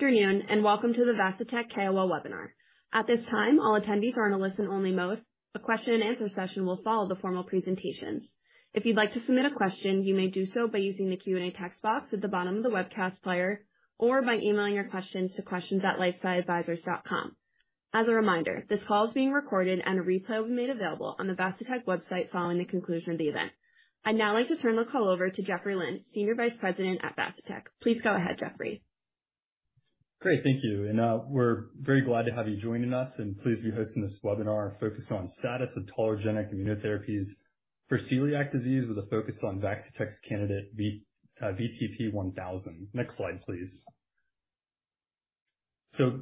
Good afternoon, welcome to the Vaccitech KOL webinar. At this time, all attendees are in a listen-only mode. A question-and-answer session will follow the formal presentations. If you'd like to submit a question, you may do so by using the Q&A text box at the bottom of the webcast player or by emailing your questions to questions@lifesciadvisors.com. As a reminder, this call is being recorded and a replay will be made available on the Vaccitech website following the conclusion of the event. I'd now like to turn the call over to Geoffrey Lynn, Senior Vice President at Vaccitech. Please go ahead, Geoffrey. Great, thank you. We're very glad to have you joining us and pleased to be hosting this webinar focused on status of tolerogenic immunotherapies for celiac disease with a focus on Vaccitech's candidate VTP-1000. Next slide, please.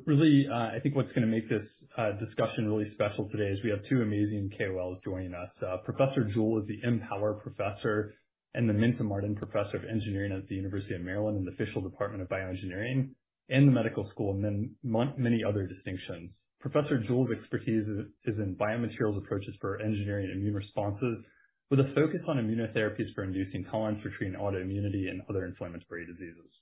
Really, I think what's gonna make this discussion really special today is we have two amazing KOLs joining us. Professor Jewell is the MPower Professor and the Minta Martin Professor of Engineering at the University of Maryland in the Fischell Department of Bioengineering and the Medical School, many other distinctions. Professor Jewell's expertise is in biomaterials approaches for engineering immune responses with a focus on immunotherapies for inducing tolerance for treating autoimmunity and other inflammatory diseases.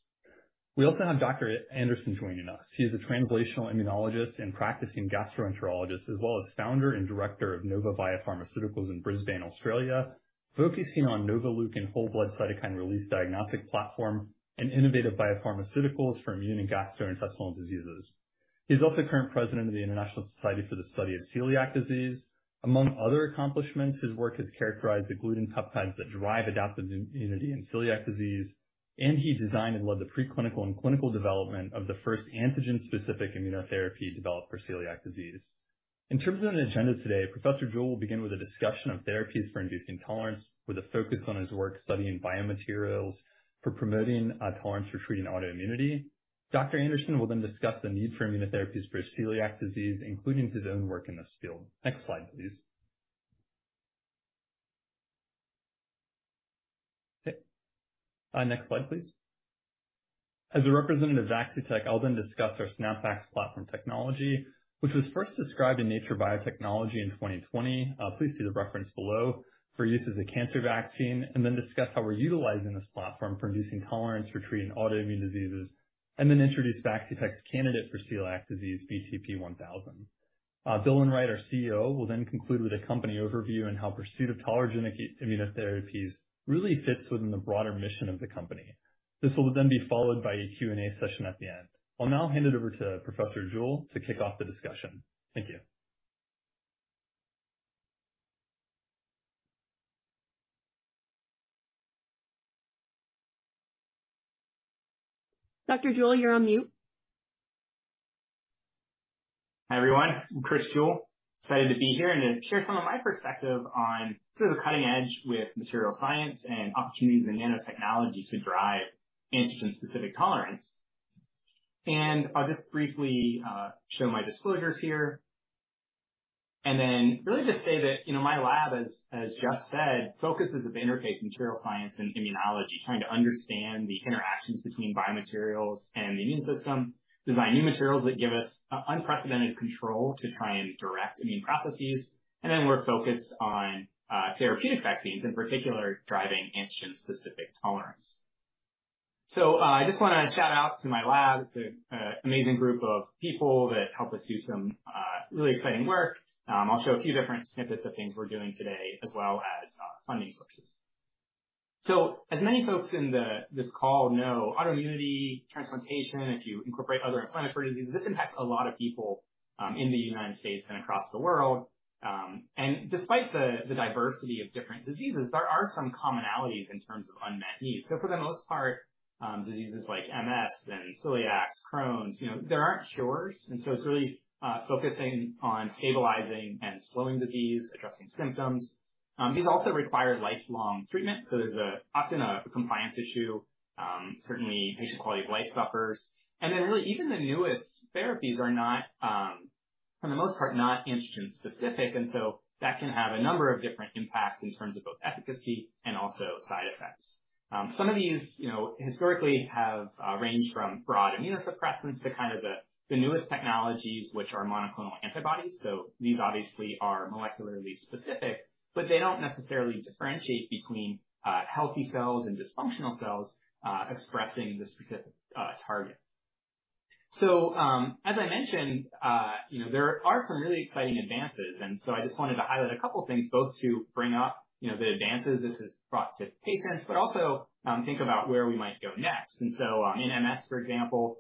We also have Dr. Anderson joining us. He is a translational immunologist and practicing gastroenterologist as well as founder and director of Novoviah Pharmaceuticals in Brisbane, Australia, focusing on Novoleukin and whole blood cytokine release diagnostic platform and innovative biopharmaceuticals for immune and gastrointestinal diseases. He's also current President of the International Society for the Study of Celiac Disease. Among other accomplishments, his work has characterized the gluten peptides that drive adaptive immunity in celiac disease, and he designed and led the preclinical and clinical development of the first antigen-specific immunotherapy developed for celiac disease. In terms of an agenda today, Professor Jewell will begin with a discussion of therapies for inducing tolerance, with a focus on his work studying biomaterials for promoting tolerance for treating autoimmunity. Dr. Anderson will then discuss the need for immunotherapies for celiac disease, including his own work in this field. Next slide, please. Next slide, please. As a representative of Vaccitech, I'll then discuss our SNAPvax platform technology, which was first described in Nature Biotechnology in 2020, please see the reference below, for use as a cancer vaccine. Then discuss how we're utilizing this platform for inducing tolerance for treating autoimmune diseases, then introduce Vaccitech's candidate for celiac disease, VTP-1000. Bill Enright, our CEO, will then conclude with a company overview on how pursuit of tolerogenic immunotherapies really fits within the broader mission of the company. This will then be followed by a Q&A session at the end. I'll now hand it over to Professor Jewell to kick off the discussion. Thank you. Dr. Jewell, you're on mute. Hi, everyone. I'm Chris Jewell. Excited to be here and to share some of my perspective on sort of the cutting edge with material science and opportunities in nanotechnology to drive antigen-specific tolerance. I'll just briefly show my disclosures here. Then really just say that, you know, my lab, as Geoff said, focuses at the interface of material science and immunology, trying to understand the interactions between biomaterials and the immune system, design new materials that give us unprecedented control to try and direct immune processes. Then we're focused on therapeutic vaccines, in particular, driving antigen-specific tolerance. I just wanna shout out to my lab. It's an amazing group of people that help us do some really exciting work. I'll show a few different snippets of things we're doing today as well as funding sources. As many folks in this call know, autoimmunity, transplantation, if you incorporate other inflammatory diseases, this impacts a lot of people in the United States and across the world. And despite the diversity of different diseases, there are some commonalities in terms of unmet needs. For the most part, diseases like MS and Celiac, Crohn's, you know, there aren't cures. It's really focusing on stabilizing and slowing disease, addressing symptoms. These also require lifelong treatment, so there's often a compliance issue. Certainly patient's quality of life suffers. Really, even the newest therapies are not for the most part, not antigen-specific, and so that can have a number of different impacts in terms of both efficacy and also side effects. Some of these, you know, historically have ranged from broad immunosuppressants to kind of the newest technologies, which are monoclonal antibodies. These obviously are molecularly specific, but they don't necessarily differentiate between healthy cells and dysfunctional cells, expressing the specific target. As I mentioned, you know, there are some really exciting advances. I just wanted to highlight a couple of things, both to bring up, you know, the advances this has brought to patients, but also think about where we might go next. In MS, for example,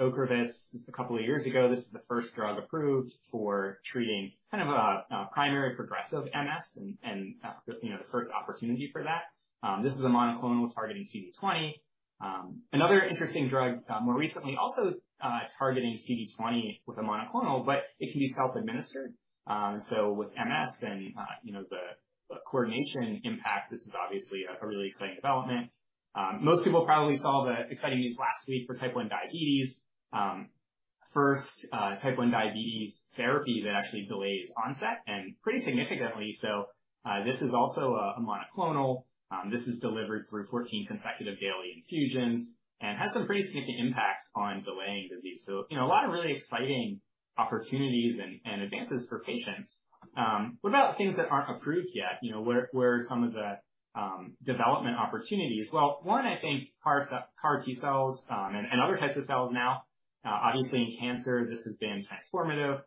Ocrevus, a couple of years ago, this was the first drug approved for treating a kind of a primary progressive MS, and, you know, the first opportunity for that. This is a monoclonal targeting CD20. Another interesting drug, more recently, also targets CD20 with a monoclonal, but it can be self-administered. With MS and, you know, the coordination impact, this is obviously a really exciting development. Most people probably saw the exciting news last week for type 1 diabetes. First, type 1 diabetes therapy that actually delays onset, and pretty significantly so. This is also a monoclonal. This is delivered through 14 consecutive daily infusions and has some pretty significant impacts on delaying disease. You know, a lot of really exciting opportunities and advances for patients. What about things that aren't approved yet? You know, where are some of the development opportunities? One, I think CAR T-cells, and other types of cells, now, obviously, in cancer, this has been transformative.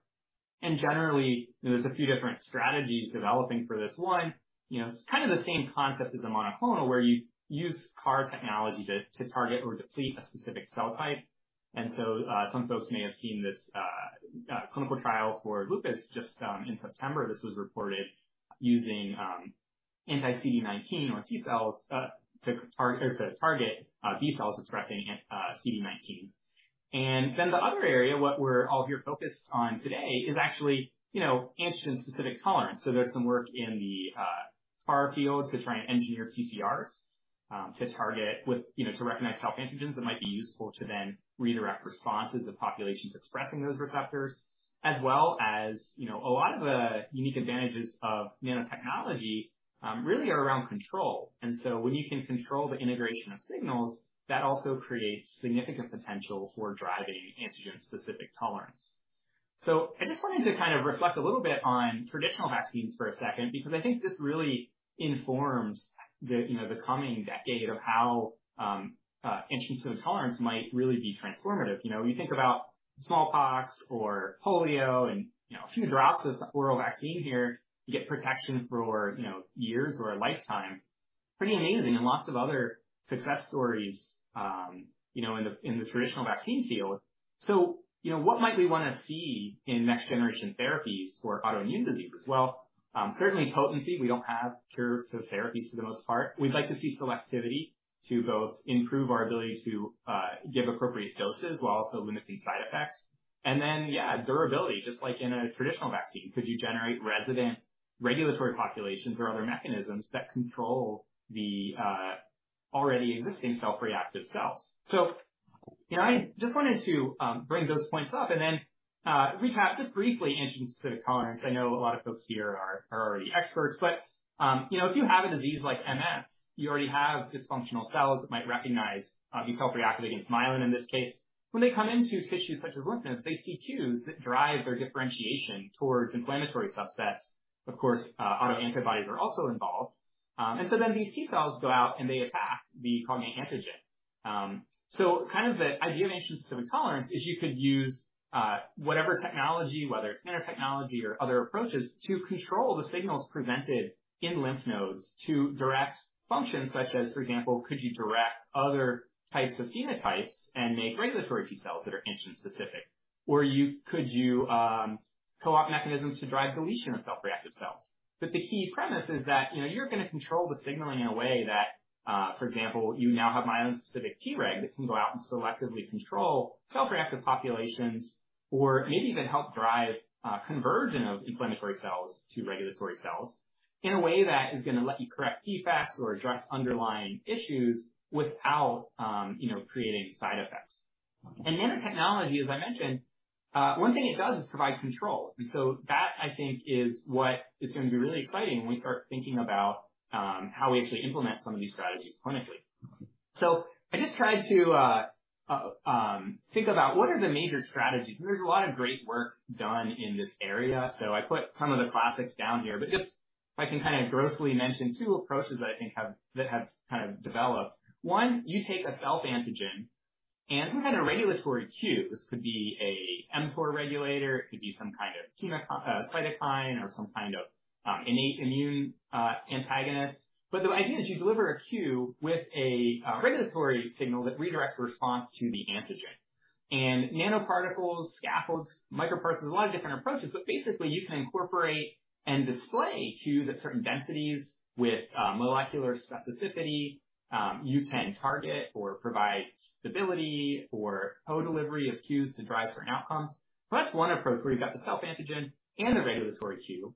Generally, there's a few different strategies developing for this. One, you know, it's kind of the same concept as a monoclonal, where you use CAR technology to target or deplete a specific cell type. Some folks may have seen this clinical trial for lupus just in September. This was reported using anti-CD19 or T cells to target B cells expressing CD19. The other area, what we're all here focused on today is actually, you know, antigen-specific tolerance. There's some work in the CAR field to try and engineer TCRs to target with, you know, to recognize self-antigens that might be useful to then redirect responses of populations expressing those receptors. As well as, you know, a lot of the unique advantages of nanotechnology really are around control. When you can control the integration of signals, that also creates significant potential for driving antigen-specific tolerance. I just wanted to kind of reflect a little bit on traditional vaccines for a second, because I think this really informs the, you know, the coming decade of how immune tolerance might really be transformative. You know, when you think about smallpox or polio and, you know, a few drops of oral vaccine here, you get protection for, you know, years or a lifetime. Pretty amazing. Lots of other success stories, you know, in the traditional vaccine field. You know, what might we want to see in next-generation therapies for autoimmune diseases? Well, certainly potency. We don't have curative therapies for the most part. We'd like to see selectivity to both improve our ability to give appropriate doses while also limiting side effects. Then, yeah, durability, just like in a traditional vaccine. Could you generate resident regulatory populations or other mechanisms that control the already existing self-reactive cells? You know, I just wanted to bring those points up and then recap just briefly antigen-specific tolerance. I know a lot of folks here are already experts, but, you know, if you have a disease like MS, you already have dysfunctional cells that might recognize, be self-reactive against myelin, in this case. When they come into tissues such as lymph nodes, they see cues that drive their differentiation towards inflammatory subsets. Of course, autoantibodies are also involved. These T cells go out, and they attack the cognate antigen. Kind of the idea of antigen-specific tolerance is you could use, whatever technology, whether it's nanotechnology or other approaches, to control the signals presented in lymph nodes to direct functions such as, for example, could you direct other types of phenotypes and make regulatory T cells that are antigen-specific? Could you co-opt mechanisms to drive the deletion of self-reactive cells? The key premise is that, you know, you're going to control the signaling in a way that, for example, you now have myelin-specific Treg that can go out and selectively control self-reactive populations or maybe even help drive conversion of inflammatory cells to regulatory cells in a way that is going to let you correct defects or address underlying issues without, you know, creating side effects. Nanotechnology, as I mentioned, one thing it does is provide control. That, I think, is what is going to be really exciting when we start thinking about how we actually implement some of these strategies clinically. I just tried to think about what are the major strategies? There's a lot of great work done in this area, so I put some of the classics down here. Just if I can kind of grossly mention two approaches that I think have, that have kind of developed. One, you take a self-antigen and some kind of regulatory cue. This could be a mTOR regulator, it could be some kind of cytokine or some kind of innate immune antagonist. The idea is you deliver a cue with a regulatory signal that redirects response to the antigen. Nanoparticles, scaffolds, microparticles, there's a lot of different approaches, but basically, you can incorporate and display cues at certain densities with molecular specificity. You can target or provide stability or co-delivery of cues to drive certain outcomes. That's one approach where you've got the self-antigen and the regulatory cue.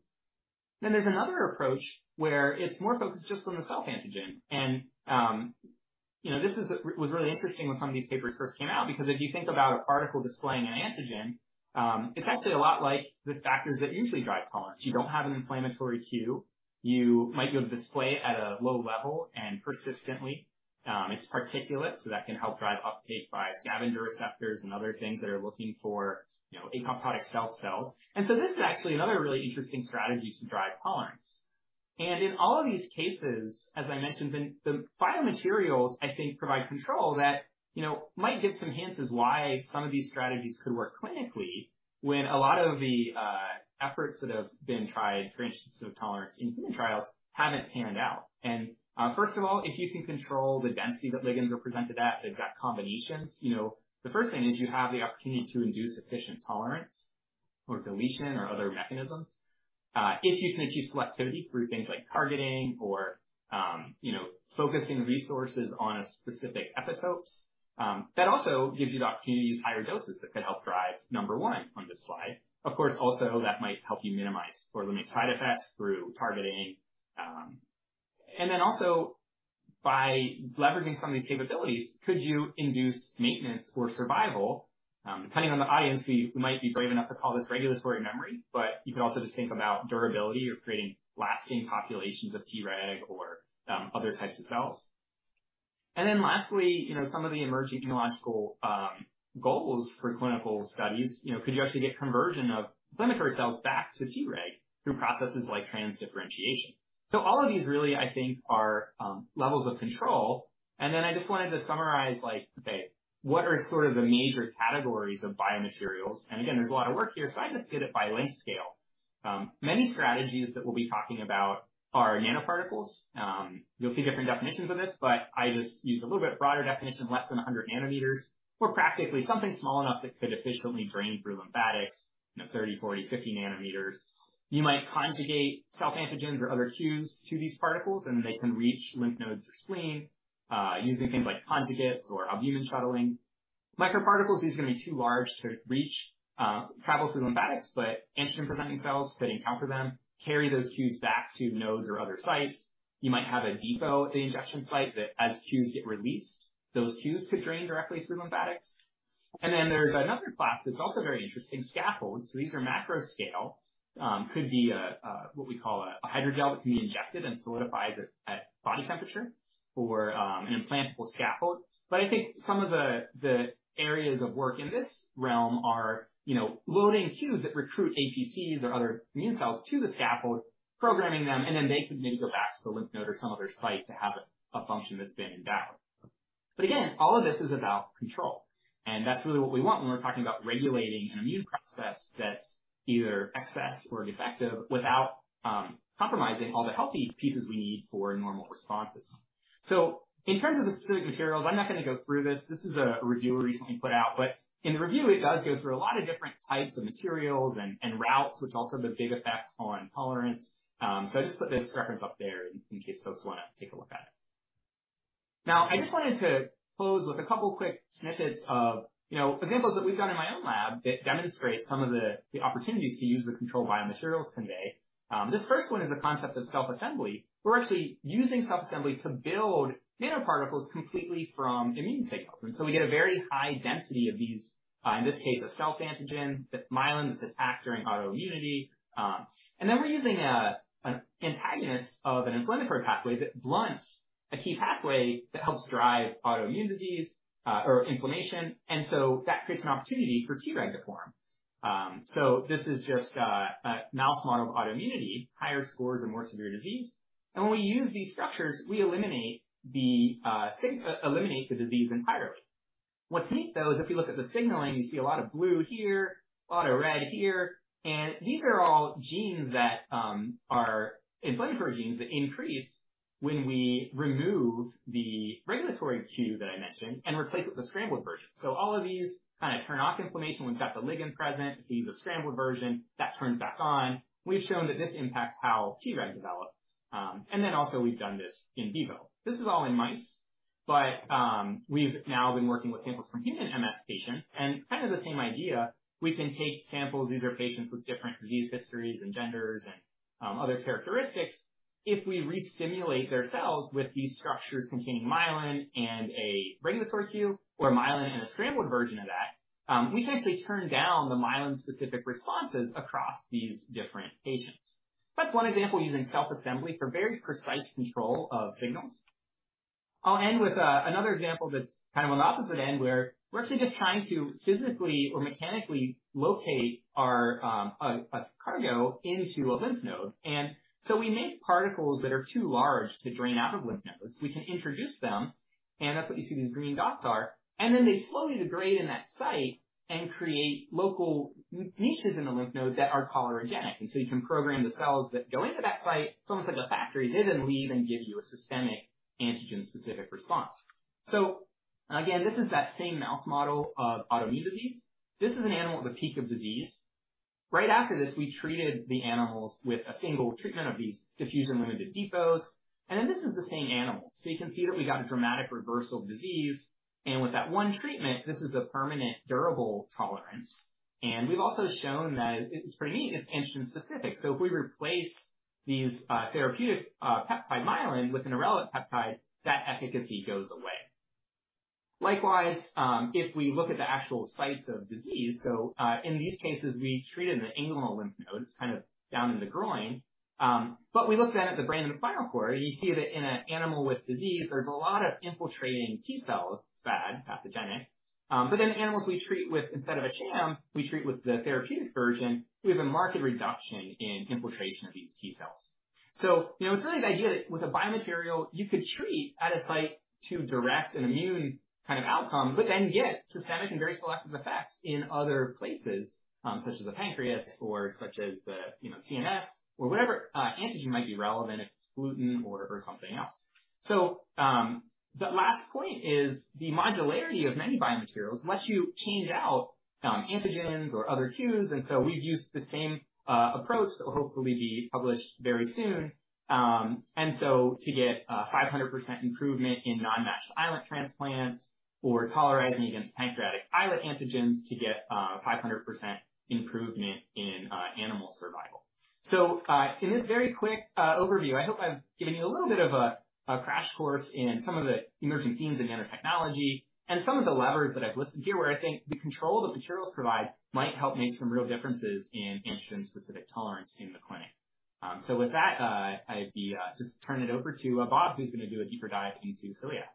There's another approach where it's more focused just on the self-antigen. You know, this was really interesting when some of these papers first came out, because if you think about a particle displaying an antigen, it's actually a lot like the factors that usually drive tolerance. You don't have an inflammatory cue. You might be able to display it at a low level and persistently. It's particulate, so that can help drive uptake by scavenger receptors and other things that are looking for, you know, apoptotic stealth cells. This is actually another really interesting strategy to drive tolerance. In all of these cases, as I mentioned, the biomaterials, I think, provide control that, you know, might give some hints as to why some of these strategies could work clinically when a lot of the efforts that have been tried for instance of tolerance in human trials haven't panned out. First of all, if you can control the density that ligands are presented at, the exact combinations, you know, the first thing is you have the opportunity to induce sufficient tolerance or deletion or other mechanisms. If you can achieve selectivity through things like targeting or, you know, focusing resources on specific epitopes, that also gives you the opportunity to use higher doses that could help drive number one on this slide. Of course, also that might help you minimize or limit side effects through targeting. Also, by leveraging some of these capabilities, could you induce maintenance or survival? Depending on the audience, we might be brave enough to call this regulatory memory, but you could also just think about durability or creating lasting populations of Treg or other types of cells. Lastly, you know, some of the emerging immunological goals for clinical studies. You know, could you actually get conversion of inflammatory cells back to Treg through processes like transdifferentiation? All of these really, I think, are levels of control. I just wanted to summarize, like, okay, what are sort of the major categories of biomaterials? There's a lot of work here, so I just did it by length scale. Many strategies that we'll be talking about are nanoparticles. You'll see different definitions of this, but I just use a little bit broader definition, less than 100 nm, or practically something small enough that could efficiently drain through lymphatics, you know, 30 nm, 40 nm, 50 nm. You might conjugate self-antigens or other cues to these particles, and they can reach lymph nodes or spleen, using things like conjugates or albumin shuttling. Microparticles, these are going to be too large to reach, travel through lymphatics, but antigen-presenting cells could encounter them, carry those cues back to nodes or other sites. You might have a depot at the injection site, that as cues get released, those cues could drain directly through lymphatics. There's another class that's also very interesting, scaffolds. These are macro-scale, could be what we call a hydrogel that can be injected and solidifies at body temperature or, an implantable scaffold. I think some of the areas of work in this realm are, you know, loading cues that recruit APCs or other immune cells to the scaffold, programming them, and then they could maybe go back to the lymph node or some other site to have a function that's been endowed. Again, all of this is about control, and that's really what we want when we're talking about regulating an immune process that's either excess or defective without compromising all the healthy pieces we need for normal responses. In terms of the specific materials, I'm not going to go through this. This is a review I recently put out, but in the review it does go through a lot of different types of materials and routes, which also have a big effect on tolerance. I just put this reference up there in case folks want to take a look at it. Now, I just wanted to close with a couple of quick snippets of, you know, examples that we've done in my own lab that demonstrate some of the opportunities to use the controlled biomaterials convey. This first one is a concept of self-assembly. We're actually using self-assembly to build nanoparticles completely from immune signals. We get a very high density of these, in this case, a self-antigen, the myelin that's attacked during autoimmunity. We're using an antagonist of an inflammatory pathway that blunts a key pathway that helps drive autoimmune disease or inflammation. That creates an opportunity for Treg to form. This is just a mouse model of autoimmunity, with higher scores of more severe disease. When we use these structures, we eliminate the disease entirely. What's neat, though, is if you look at the signaling, you see a lot of blue here, a lot of red here, and these are all genes that are inflammatory genes that increase when we remove the regulatory cue that I mentioned and replace it with a scrambled version. All of these kinds of turn off inflammation. We've got the ligand present. If we use a scrambled version, that turns back on. We've shown that this impacts how Treg develops. Also, we've done this in vivo. This is all in mice, but we've now been working with samples from human MS patients, and kind of the same idea. We can take samples, these are patients with different disease histories, and genders, and other characteristics. If we re-stimulate their cells with these structures containing myelin and a regulatory cue or myelin and a scrambled version of that, we can actually turn down the myelin-specific responses across these different patients. I'll end with another example that's kind of on the opposite end, where we're actually just trying to physically or mechanically locate our cargo into a lymph node. We make particles that are too large to drain out of lymph nodes. We can introduce them, and that's what you see these green dots are, and then they slowly degrade in that site and create local niches in the lymph node that are tolerogenic. You can program the cells that go into that site, it's almost like a factory. They then leave and give you a systemic antigen-specific response. Again, this is that same mouse model of autoimmune disease. This is an animal at the peak of disease. Right after this, we treated the animals with a single treatment of these diffusion-limited depots. Then this is the same animal. You can see that we got a dramatic reversal of disease. With that one treatment, this is a permanent, durable tolerance. We've also shown that it's pretty neat, it's antigen-specific. If we replace these, therapeutic peptide myelin with an irrelevant peptide, that efficacy goes away. Likewise, if we look at the actual sites of disease, in these cases we treated the inguinal lymph nodes kind of down in the groin. We looked then at the brain and the spinal cord, and you see that in an animal with disease, there's a lot of infiltrating T cells. It's bad, pathogenic. Animals we treat with, instead of a sham, we treat with the therapeutic version, we have a marked reduction in infiltration of these T cells. You know, it's really the idea that with a biomaterial you could treat at a site to direct an immune kind of outcome, but then get systemic and very selective effects in other places, such as the pancreas or such as the, you know, CNS or whatever antigen might be relevant, if it's gluten or something else. The last point is the modularity of many biomaterials lets you change out antigens or other cues. We've used the same approach that will hopefully be published very soon. To get 500% improvement in non-matched islet transplants or tolerizing against pancreatic islet antigens to get 500% improvement in animal survival. In this very quick overview, I hope I've given you a little bit of a crash course in some of the emerging themes in nanotechnology and some of the levers that I've listed here, where I think the control the materials provide might help make some real differences in antigen-specific tolerance in the clinic. With that, I'd be just turn it over to Robert, who's going to do a deeper dive into celiac.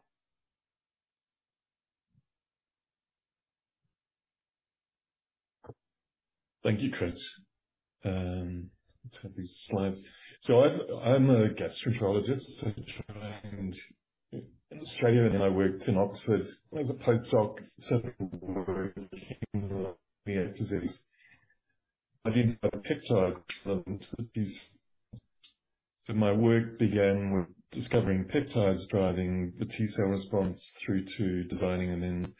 Thank you, Chris. Let's have these slides. I'm a gastroenterologist. I trained in Australia, and then I worked in Oxford as a postdoc celiac disease. I did a peptide. My work began with discovering peptides, driving the T cell response through to designing and then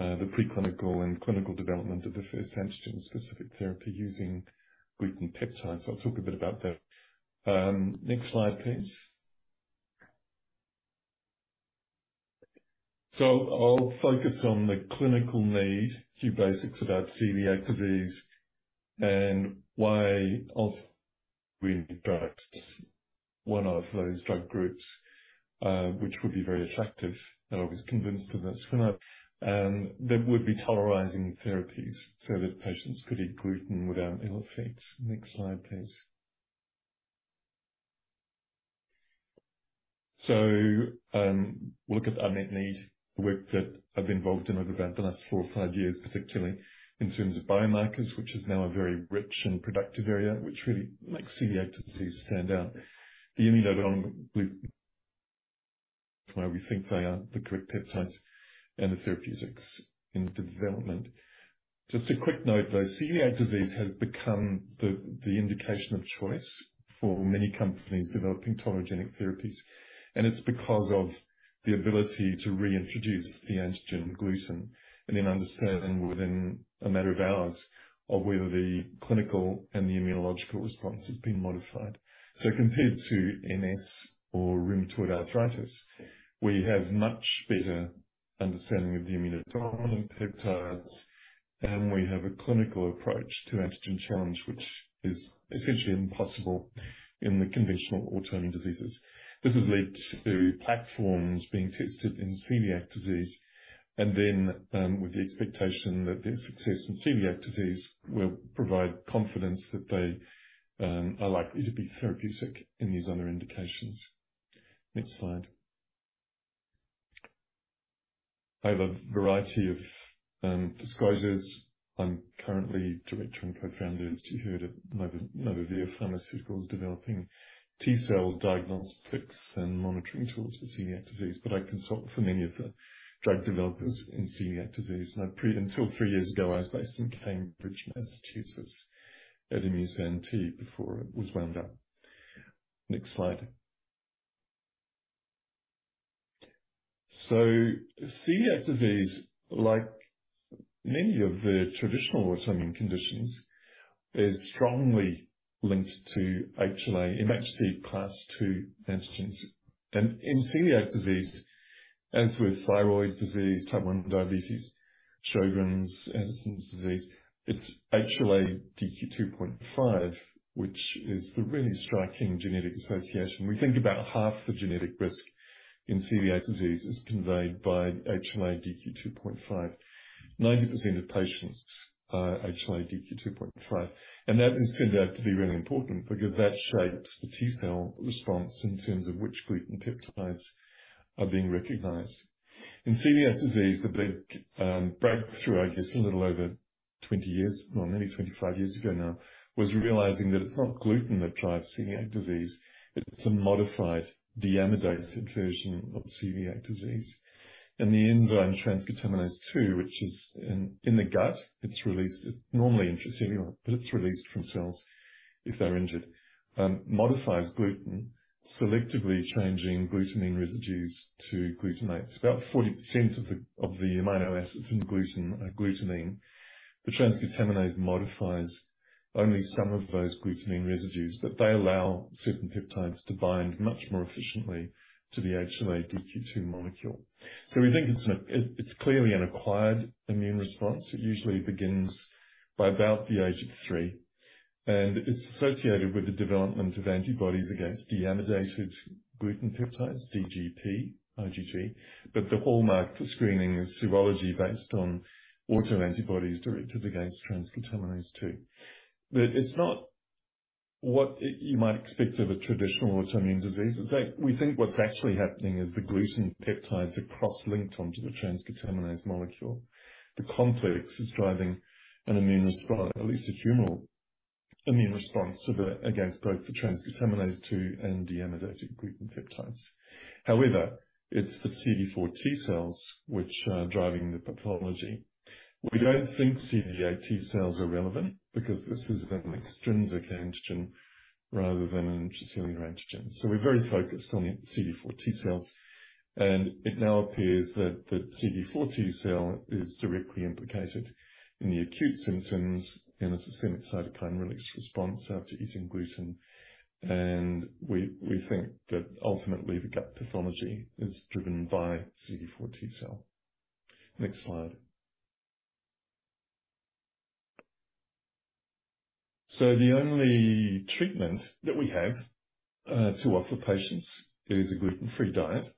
the preclinical and clinical development of the first antigen-specific therapy using gluten peptides. I'll talk a bit about that. Next slide, please. I'll focus on the clinical need, a few basics about celiac disease, and why alter. Look at the unmet need, the work that I've been involved in over about the last four or five years, particularly in terms of biomarkers, which is now a very rich and productive area which really makes celiac disease stand out. The immunodominant gluten why we think they are the correct peptides and the therapeutics in development. A quick note, though. Celiac disease has become the indication of choice for many companies developing tolerogenic therapies, and it's because of the ability to reintroduce the antigen gluten and then understand within a matter of hours of whether the clinical and the immunological response has been modified. Compared to MS or rheumatoid arthritis, we have much better understanding of the immunodominant peptides, and we have a clinical approach to antigen challenge, which is essentially impossible in the conventional autoimmune diseases. This has led to platforms being tested in celiac disease and then, with the expectation that the success in celiac disease will provide confidence that they are likely to be therapeutic in these other indications. Next slide. I have a variety of disclosures. I'm currently director and co-founder, as you heard, of Novoviah Pharmaceuticals, developing T cell diagnostics and monitoring tools for celiac disease. I consult for many of the drug developers in celiac disease. Until three years ago, I was based in Cambridge, Massachusetts, at ImmusanT before it was wound up. Next slide. Celiac disease, like many of the traditional autoimmune conditions, is strongly linked to HLA, MHC class II antigens. In celiac disease, as with thyroid disease, type 1 diabetes, Sjögren's and Addison's disease, it's HLA-DQ2.5, which is the really striking genetic association. We think about half the genetic risk in celiac disease is conveyed by HLA-DQ2.5. 90% of patients are HLA-DQ2.5, and that has turned out to be really important because that shapes the T cell response in terms of which gluten peptides are being recognized. In celiac disease, the big breakthrough, I guess a little over 20 years, well, nearly 25 years ago now, was realizing that it's not gluten that drives celiac disease. It's a modified deamidated version of celiac disease. The enzyme transglutaminase 2, which is in the gut, it's released. It's normally intracellular, but it's released from cells if they're injured. Modifies gluten, selectively changing glutamine residues to glutamate. It's about 40% of the amino acids in gluten are glutamine. The transglutaminase modifies only some of those glutamine residues, but they allow certain peptides to bind much more efficiently to the HLA-DQ2 molecule. We think it's clearly an acquired immune response. It usually begins by about the age of three, and it's associated with the development of antibodies against deamidated gluten peptides, DGP IgG. The hallmark for screening is serology based on autoantibodies directed against transglutaminase 2. It's not what you might expect of a traditional autoimmune disease. It's like we think what's actually happening is the gluten peptides are cross-linked onto the transglutaminase molecule. The complex is driving an immune response, at least a humoral immune response against both the transglutaminase 2 and deamidated gluten peptides. However, it's the CD4 T cells which are driving the pathology. We don't think CD8 T cells are relevant because this is an extrinsic antigen rather than an intracellular antigen. We're very focused on the CD4 T cells, and it now appears that the CD4 T cell is directly implicated in the acute symptoms and a systemic cytokine release response after eating gluten. We think that ultimately the gut pathology is driven by CD4 T cell. Next slide. The only treatment that we have to offer patients is a gluten-free diet.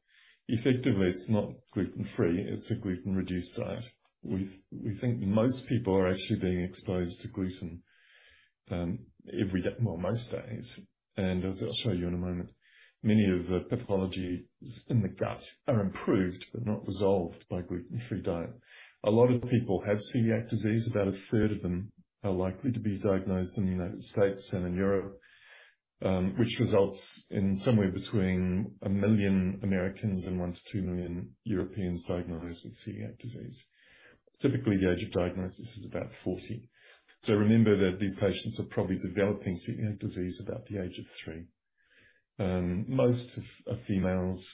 Effectively, it's not gluten-free, it's a gluten-reduced diet. We think most people are actually being exposed to gluten, every day, well, most days, and as I'll show you in a moment, many of the pathologies in the gut are improved but not resolved by gluten-free diet. A lot of people have celiac disease. About a third of them are likely to be diagnosed in the United States and in Europe, which results in somewhere between 1 million Americans and 1 million-2 million Europeans diagnosed with celiac disease. Typically, the age of diagnosis is about 40. Remember that these patients are probably developing celiac disease about the age of three. Most of are females.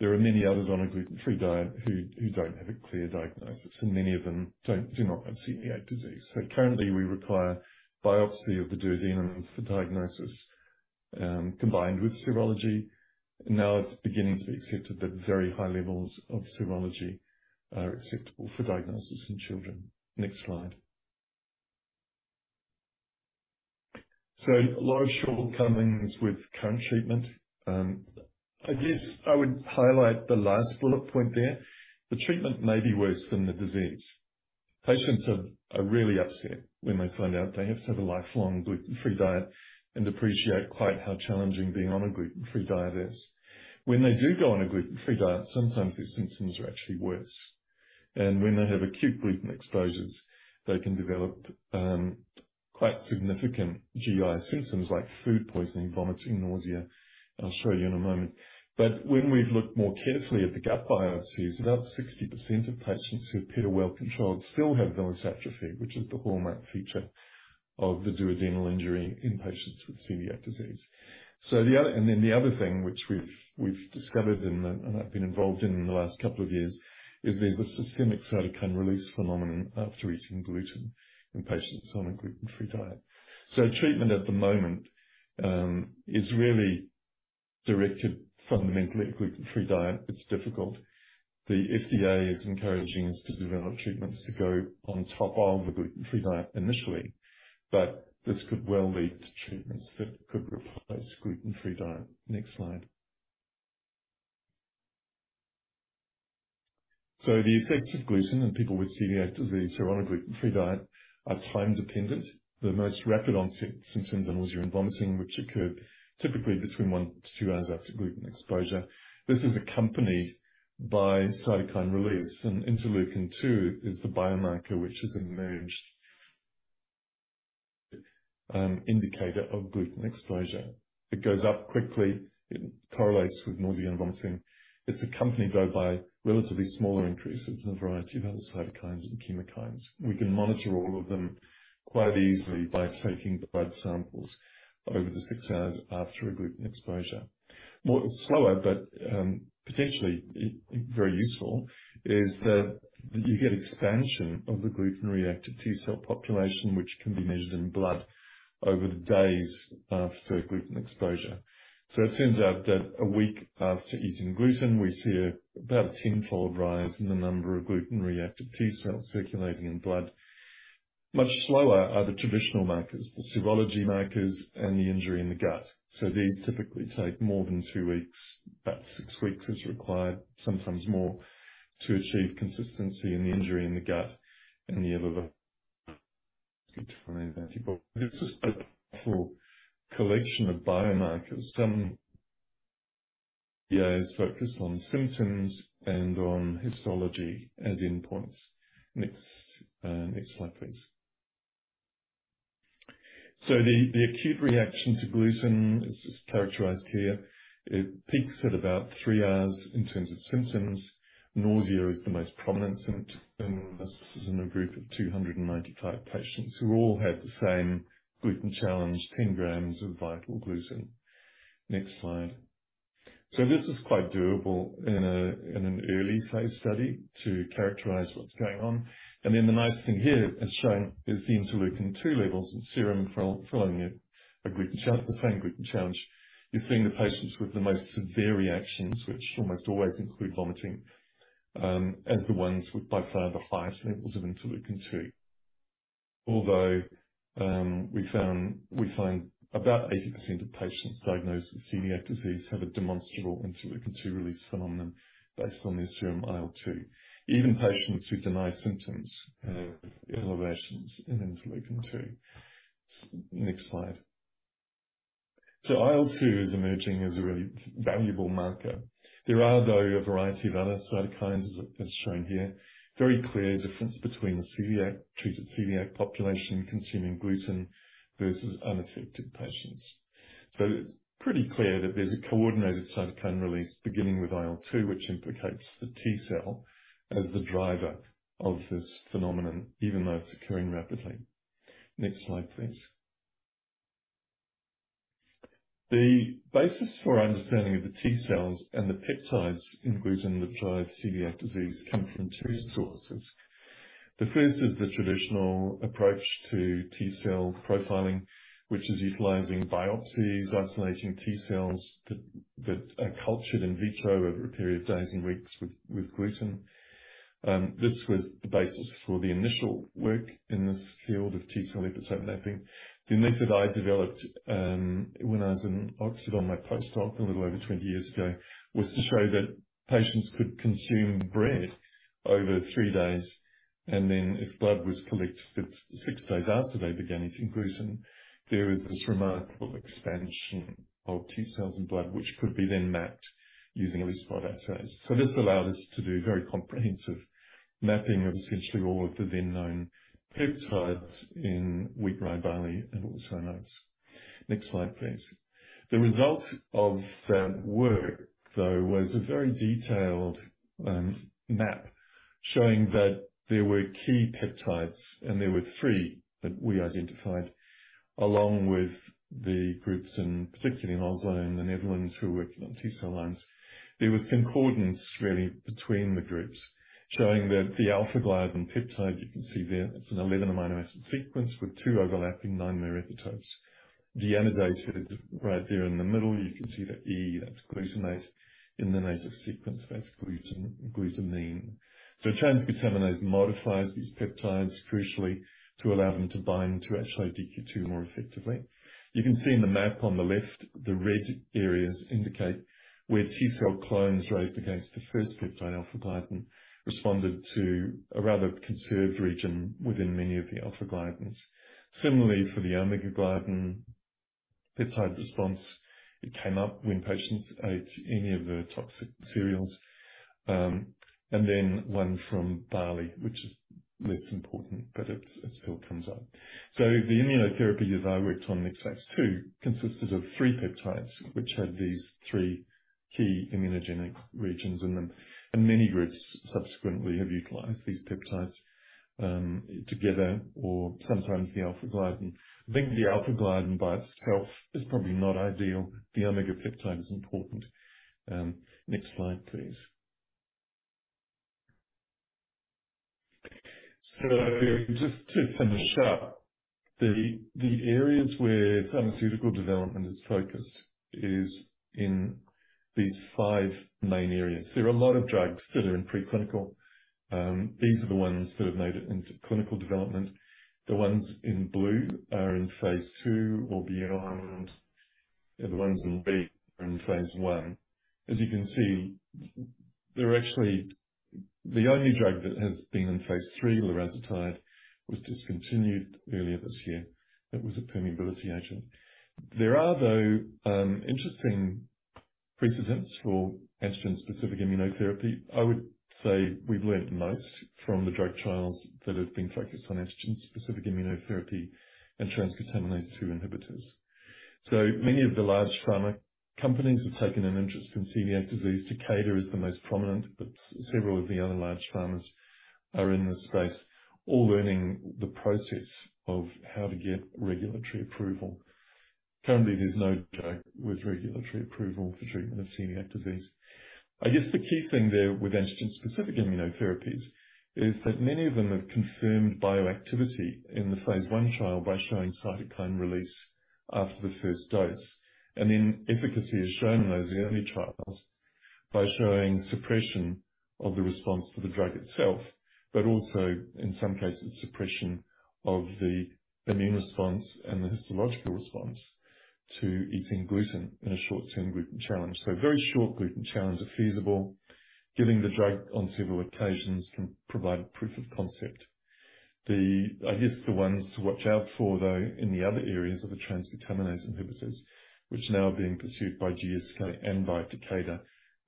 There are many others on a gluten-free diet who don't have a clear diagnosis, and many of them do not have celiac disease. Currently, we require biopsy of the duodenum for diagnosis, combined with serology. Now it's beginning to be accepted that very high levels of serology are acceptable for diagnosis in children. Next slide. A lot of shortcomings with current treatment. I guess I would highlight the last bullet point there. The treatment may be worse than the disease. Patients are really upset when they find out they have to have a lifelong gluten-free diet and appreciate quite how challenging being on a gluten-free diet is. When they do go on a gluten-free diet, sometimes their symptoms are actually worse. When they have acute gluten exposures, they can develop quite significant GI symptoms like food poisoning, vomiting, nausea. I'll show you in a moment. When we've looked more carefully at the gut biopsies, about 60% of patients who appear well controlled still have villous atrophy, which is the hallmark feature of the duodenal injury in patients with celiac disease. The other thing which we've discovered and I've been involved in the last couple of years is there's a systemic cytokine release phenomenon after eating gluten in patients on a gluten-free diet. Treatment at the moment is really directed fundamentally at gluten-free diet. It's difficult. The FDA is encouraging us to develop treatments to go on top of the gluten-free diet initially, but this could well lead to treatments that could replace gluten-free diet. Next slide. The effects of gluten in people with celiac disease who are on a gluten-free diet are time-dependent. The most rapid onset symptoms are nausea and vomiting, which occur typically between one to two hours after gluten exposure. This is accompanied by cytokine release, and interleukin-2 is the biomarker which has emerged as an indicator of gluten exposure. It goes up quickly. It correlates with nausea and vomiting. It's accompanied, though, by relatively smaller increases in a variety of other cytokines and chemokines. We can monitor all of them quite easily by taking blood samples over the six hours after a gluten exposure. More slower, potentially very useful is that you get expansion of the gluten reactive T cell population, which can be measured in blood over the days after a gluten exposure. It turns out that a week after eating gluten, we see about a tenfold rise in the number of gluten-reactive T cells circulating in blood. Much slower are the traditional markers, the serology markers, and the injury in the gut. These typically take more than two weeks. About six weeks is required, sometimes more, to achieve consistency in the injury in the gut and the elevation antibodies. This is the full collection of biomarkers. Some, yeah, is focused on symptoms and on histology as endpoints. Next, next slide, please. The acute reaction to gluten is just characterized here. It peaks at about three hours in terms of symptoms. Nausea is the most prominent symptom. This is in a group of 295 patients who all had the same gluten challenge, 10 g of vital gluten. Next slide. This is quite doable in a, in an early phase study to characterize what's going on. The nice thing here as shown, is the interleukin-2 levels and serum following, the same gluten challenge. You're seeing the patients with the most severe reactions, which almost always include vomiting, as the ones with by far the highest levels of interleukin-2. Although we find about 80% of patients diagnosed with celiac disease have a demonstrable interleukin-2 release phenomenon based on the serum IL-2. Even patients who deny symptoms have elevations in interleukin-2. Next slide. IL-2 is emerging as a really valuable marker. There are, though, a variety of other cytokines as shown here. Very clear difference between the celiac, treated celiac population consuming gluten, versus unaffected patients. It's pretty clear that there's a coordinated cytokine release beginning with IL-2 which implicates the T cell as the driver of this phenomenon, even though it's occurring rapidly. Next slide, please. The basis for our understanding of the T cells and the peptides in gluten that drive celiac disease comes from two sources. The first is the traditional approach to T cell profiling, which is utilizing biopsies, isolating T cells that are cultured in vitro over a period of days and weeks with gluten. This was the basis for the initial work in this field of T-cell epitope mapping. The method I developed, when I was in Oxford on my postdoc a little over 20 years ago, was to show that patients could consume bread over three days. If blood was collected six days after they began its inclusion, there is this remarkable expansion of T cells in blood, which could be then mapped using a list of assays. This allowed us to do very comprehensive mapping of essentially all of the then-known peptides in wheat, rye, barley, and also oats. Next slide, please. The result of that work, though, was a very detailed map showing that there were key peptides, and there were three that we identified along with the groups, and particularly in Oslo and the Netherlands who worked on T cell lines. There was concordance really between the groups showing that the alpha-gliadin peptide you can see there, it's an 11 amino acid sequence with two overlapping nine-mer epitopes. Deamidated right there in the middle, you can see that E, that's glutamate. In the native sequence, that's gluten, glutamine. Transglutaminase modifies these peptides crucially to allow them to bind to HLA-DQ2 more effectively. You can see in the map on the left, the red areas indicate where T cell clones raised against the first peptide, alpha-gliadin, responded to a rather conserved region within many of the alpha-gliadins. For the omega-gliadin peptide response, it came up when patients ate any of the toxic cereals, and then one from barley, which is less important, but it still comes up. The immunotherapy that I worked on in phase II consisted of three peptides, which had these three key immunogenic regions in them, and many groups subsequently have utilized these peptides together or sometimes the alpha-gliadin. I think the alpha-gliadin by itself is probably not ideal. The omega peptide is important. Next slide, please. Just to finish up, the areas where pharmaceutical development is focused is in these five main areas. There are a lot of drugs that are in preclinical. These are the ones that have made it into clinical development. The ones in blue are in phase II or beyond. The ones in B are in phase I. As you can see, the only drug that has been in phase III, larazotide, was discontinued earlier this year. That was a permeability agent. There are, though, interesting precedents for antigen-specific immunotherapy. I would say we've learned most from the drug trials that have been focused on antigen-specific immunotherapy and transglutaminase 2 inhibitors. Many of the large pharma companies have taken an interest in celiac disease. Takeda is the most prominent, several of the other large pharmas are in this space, all learning the process of how to get regulatory approval. Currently, there's no drug with regulatory approval for treatment of celiac disease. I guess the key thing there with antigen-specific immunotherapies is that many of them have confirmed bioactivity in the phase I trial by showing cytokine release after the first dose. Efficacy is shown in those early trials by showing suppression of the response to the drug itself, but also in some cases, suppression of the immune response and the histological response to eating gluten in a short-term gluten challenge. Very short gluten challenges are feasible. Giving the drug on several occasions can provide proof of concept. I guess the ones to watch out for, though, in the other areas are the transglutaminase inhibitors, which now are being pursued by GSK and by Takeda.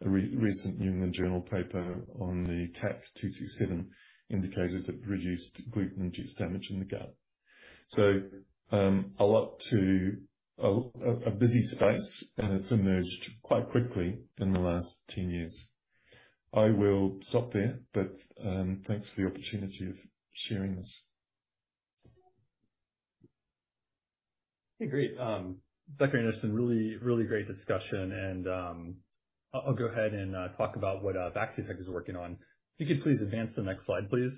A recent New England Journal paper on the TAK-227 indicated that reduced gluten-induced damage in the gut. A busy space, and it's emerged quite quickly in the last 10 years. I will stop there. Thanks for the opportunity of sharing this. Okay, great. Dr. Anderson, really, really great discussion, and I'll go ahead and talk about what Barinthus is working on. If you could please advance to the next slide, please.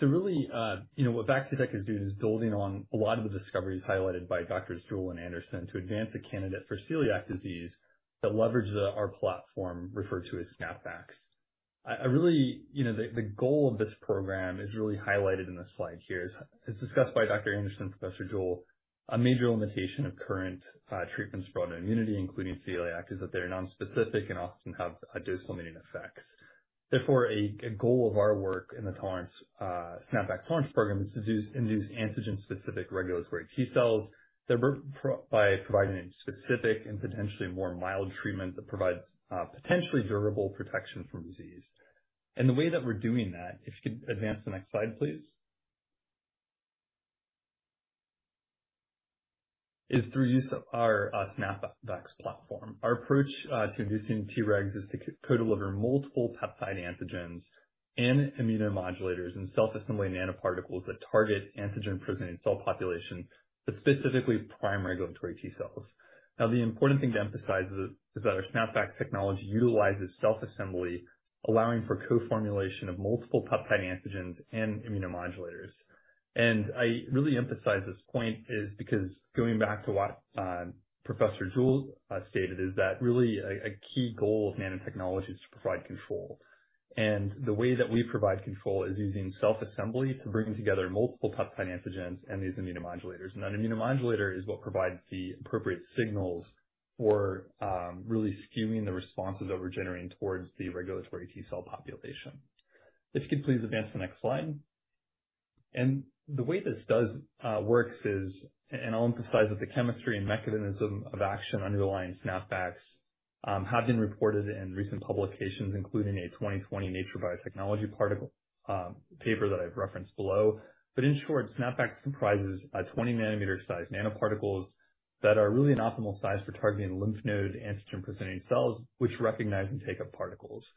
Really, you know, what Barinthus is doing is building on a lot of the discoveries highlighted by Professor Jewell and Dr. Anderson to advance a candidate for celiac disease that leverages our platform referred to as SNAPvax. I really, you know, the goal of this program is really highlighted in this slide here. As discussed by Dr. Anderson and Professor Jewell, a major limitation of current treatments for autoimmunity, including celiac, is that they're nonspecific and often have dismal immune effects. Therefore, a goal of our work in the tolerance SNAPvax tolerance program is to induce antigen-specific regulatory T cells that work by providing a specific and potentially more mild treatment that provides potentially durable protection from disease. The way that we're doing that, if you could advance to the next slide, please, is through use of our SNAPvax platform. Our approach to inducing Tregs is to co-deliver multiple peptide antigens and immunomodulators and self-assembly nanoparticles that target antigen-presenting cell populations that specifically prime regulatory T cells. Now, the important thing to emphasize is that our SNAPvax technology utilizes self-assembly, allowing for co-formulation of multiple peptide antigens and immunomodulators. I really emphasize this point is because going back to what Professor Jewell stated, is that really a key goal of nanotechnology is to provide control. The way that we provide control is using self-assembly to bring together multiple peptide antigens and these immunomodulators. An immunomodulator is what provides the appropriate signals for really skewing the responses that we're generating towards the regulatory T cell population. If you could please advance to the next slide. The way this works is, I'll emphasize that the chemistry and mechanism of action underlying SNAPvax have been reported in recent publications, including a 2020 Nature Biotechnology particle paper that I've referenced below. In short, SNAPvax comprises a 20 nm size nanoparticles that are really an optimal size for targeting lymph node antigen-presenting cells, which recognize and take up particles.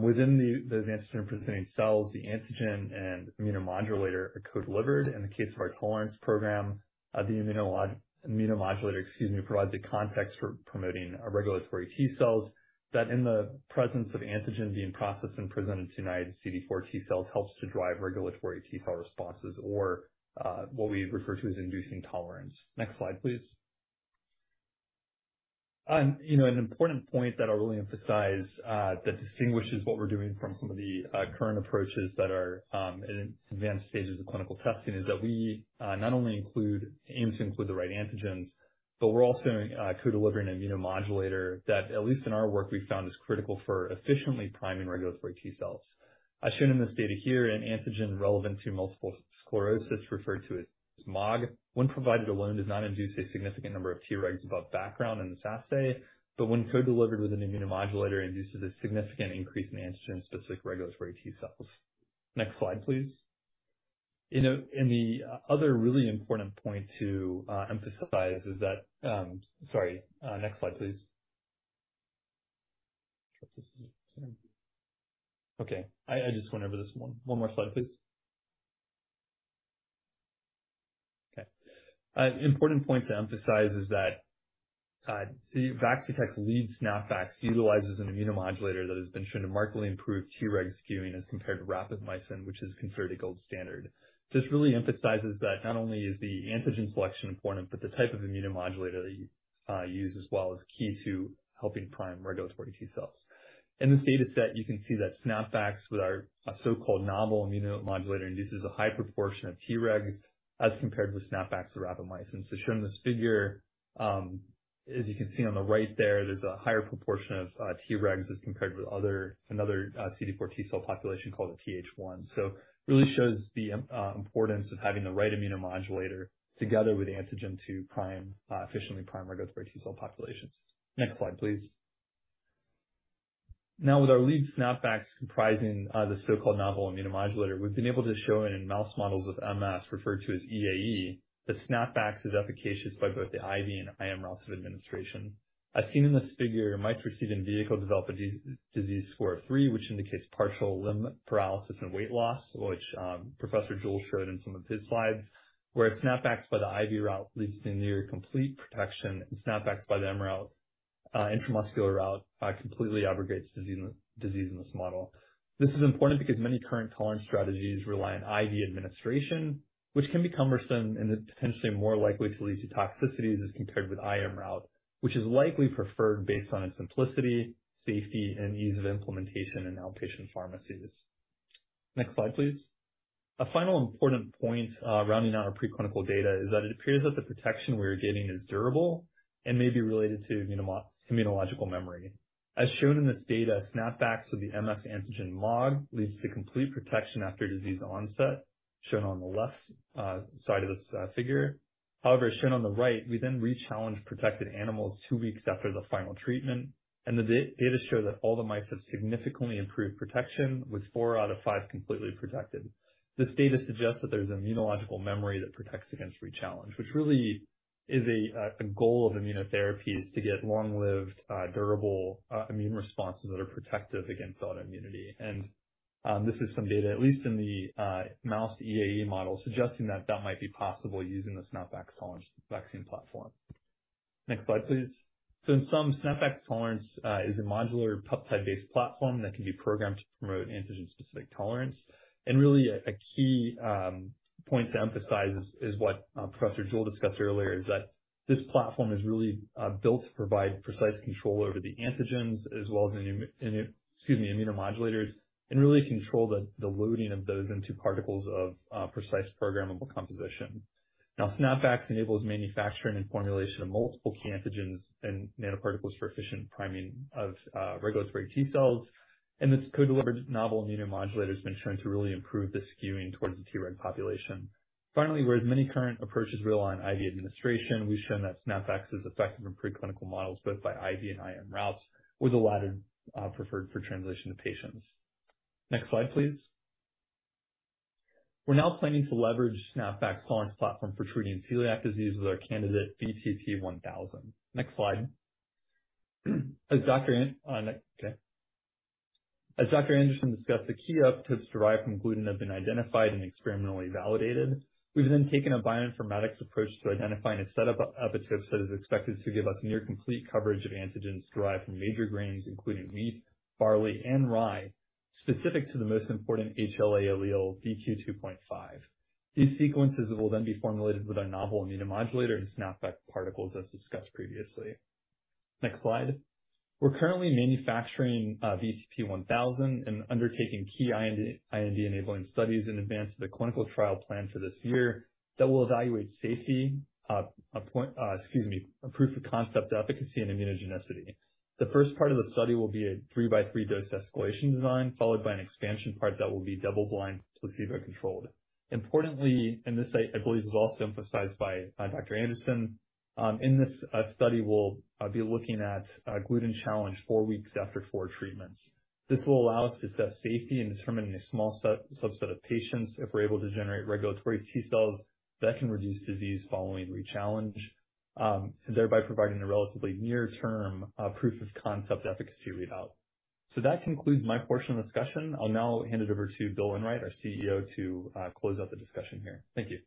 Within those antigen-presenting cells, the antigen and immunomodulator are co-delivered. In the case of our tolerance program, the immunomodulator, excuse me, provides a context for promoting regulatory T cells that in the presence of antigen being processed and presented to naive CD4 T cells, helps to drive regulatory T cell responses, or what we refer to as inducing tolerance. Next slide, please. You know, an important point that I'll really emphasize that distinguishes what we're doing from some of the current approaches that are in advanced stages of clinical testing is that we aim to include the right antigens, but we're also co-delivering an immunomodulator that, at least in our work, we found is critical for efficiently priming regulatory T cells. As shown in this data here, an antigen relevant to multiple sclerosis referred to as MOG, when provided alone, does not induce a significant number of Tregs above background in this assay, but when co-delivered with an immunomodulator, induces a significant increase in antigen-specific regulatory T cells. Next slide, please. You know, the other really important point to emphasize is that... Sorry, next slide, please. Okay, I just went over this one. One more slide, please. Okay. An important point to emphasize is that Vaccitech's lead SNAPvax utilizes an immunomodulator that has been shown to markedly improve Treg skewing as compared to rapamycin, which is considered a gold standard. This really emphasizes that not only is the antigen selection important, but the type of immunomodulator you use as well is key to helping prime regulatory T cells. In this data set, you can see that SNAPvax with our so-called novel immunomodulator induces a high proportion of Tregs as compared with SNAPvax or rapamycin. Shown in this figure, as you can see on the right there's a higher proportion of Tregs as compared with another CD4 T cell population called a Th1. Really shows the importance of having the right immunomodulator together with antigen to efficiently prime regulatory T cell populations. Next slide, please. With our lead SNAPvax comprising the so-called novel immunomodulator, we've been able to show in mouse models of MS, referred to as EAE, that SNAPvax is efficacious by both the IV and IM routes of administration. As seen in this figure, mice receiving vehicle develop a disease score of three which indicates partial limb paralysis and weight loss, which Professor Jewell showed in some of his slides, where SNAPvax by the IV route leads to near complete protection, and SNAPvax by the IM route, intramuscular route, completely abrogates disease in this model. This is important because many current tolerance strategies rely on IV administration, which can be cumbersome and potentially more likely to lead to toxicities as compared with IM route, which is likely preferred based on its simplicity, safety, and ease of implementation in outpatient pharmacies. Next slide, please. A final important point, rounding out our preclinical data, is that it appears that the protection we are getting is durable and may be related to immunological memory. As shown in this data, SNAPvax with the MS antigen MOG leads to complete protection after disease onset, shown on the left side of this figure. As shown on the right, we then rechallenged protected animals two weeks after the final treatment, and the data show that all the mice have significantly improved protection, with four out of five completely protected. This data suggests that there's immunological memory that protects against rechallenge, which really is a goal of immunotherapies to get long-lived, durable immune responses that are protective against autoimmunity. This is some data, at least in the mouse EAE model, suggesting that that might be possible using the SNAPvax tolerance vaccine platform. Next slide, please. In sum, SNAPvax's tolerance is a modular peptide-based platform that can be programmed to promote antigen-specific tolerance. Really a key point to emphasize is what Professor Jewell discussed earlier, is that this platform is really built to provide precise control over the antigens as well as immunomodulators, and really control the loading of those into particles of precise programmable composition. SNAPvax enables manufacturing and formulation of multiple key antigens and nanoparticles for efficient priming of regulatory T cells. This co-delivered novel immunomodulator has been shown to really improve the skewing towards the Treg population. Whereas many current approaches rely on IV administration, we've shown that SNAPvax is effective in preclinical models both by IV and IM routes, with the latter preferred for translation to patients. Next slide, please. We're now planning to leverage SNAPvax's tolerance platform for treating celiac disease with our candidate VTP-1000. Next slide. Next. As Dr. Anderson discussed, the key epitopes derived from gluten have been identified and experimentally validated. We've then taken a bioinformatics approach to identifying a set of epitopes that is expected to give us near complete coverage of antigens derived from major grains, including wheat, barley, and rye, specific to the most important HLA allele, HLA-DQ2.5. These sequences will then be formulated with our novel immunomodulator and SNAPvax particles as discussed previously. Next slide. We're currently manufacturing VTP-1000 and undertaking key IND-enabling studies in advance of the clinical trial plan for this year that will evaluate safety, a proof of concept efficacy, and immunogenicity. The first part of the study will be a 3+3 dose escalation design, followed by an expansion part that will be double blind placebo-controlled. Importantly, this, I believe, is also emphasized by Dr. Anderson. In this study, we'll be looking at a gluten challenge four weeks after four treatments. This will allow us to assess safety and determine a small subset of patients, if we're able to generate regulatory T cells that can reduce disease following re-challenge, and thereby providing a relatively near-term proof of concept efficacy readout. That concludes my portion of the discussion. I'll now hand it over to Bill Enright, our CEO, to close out the discussion here. Thank you.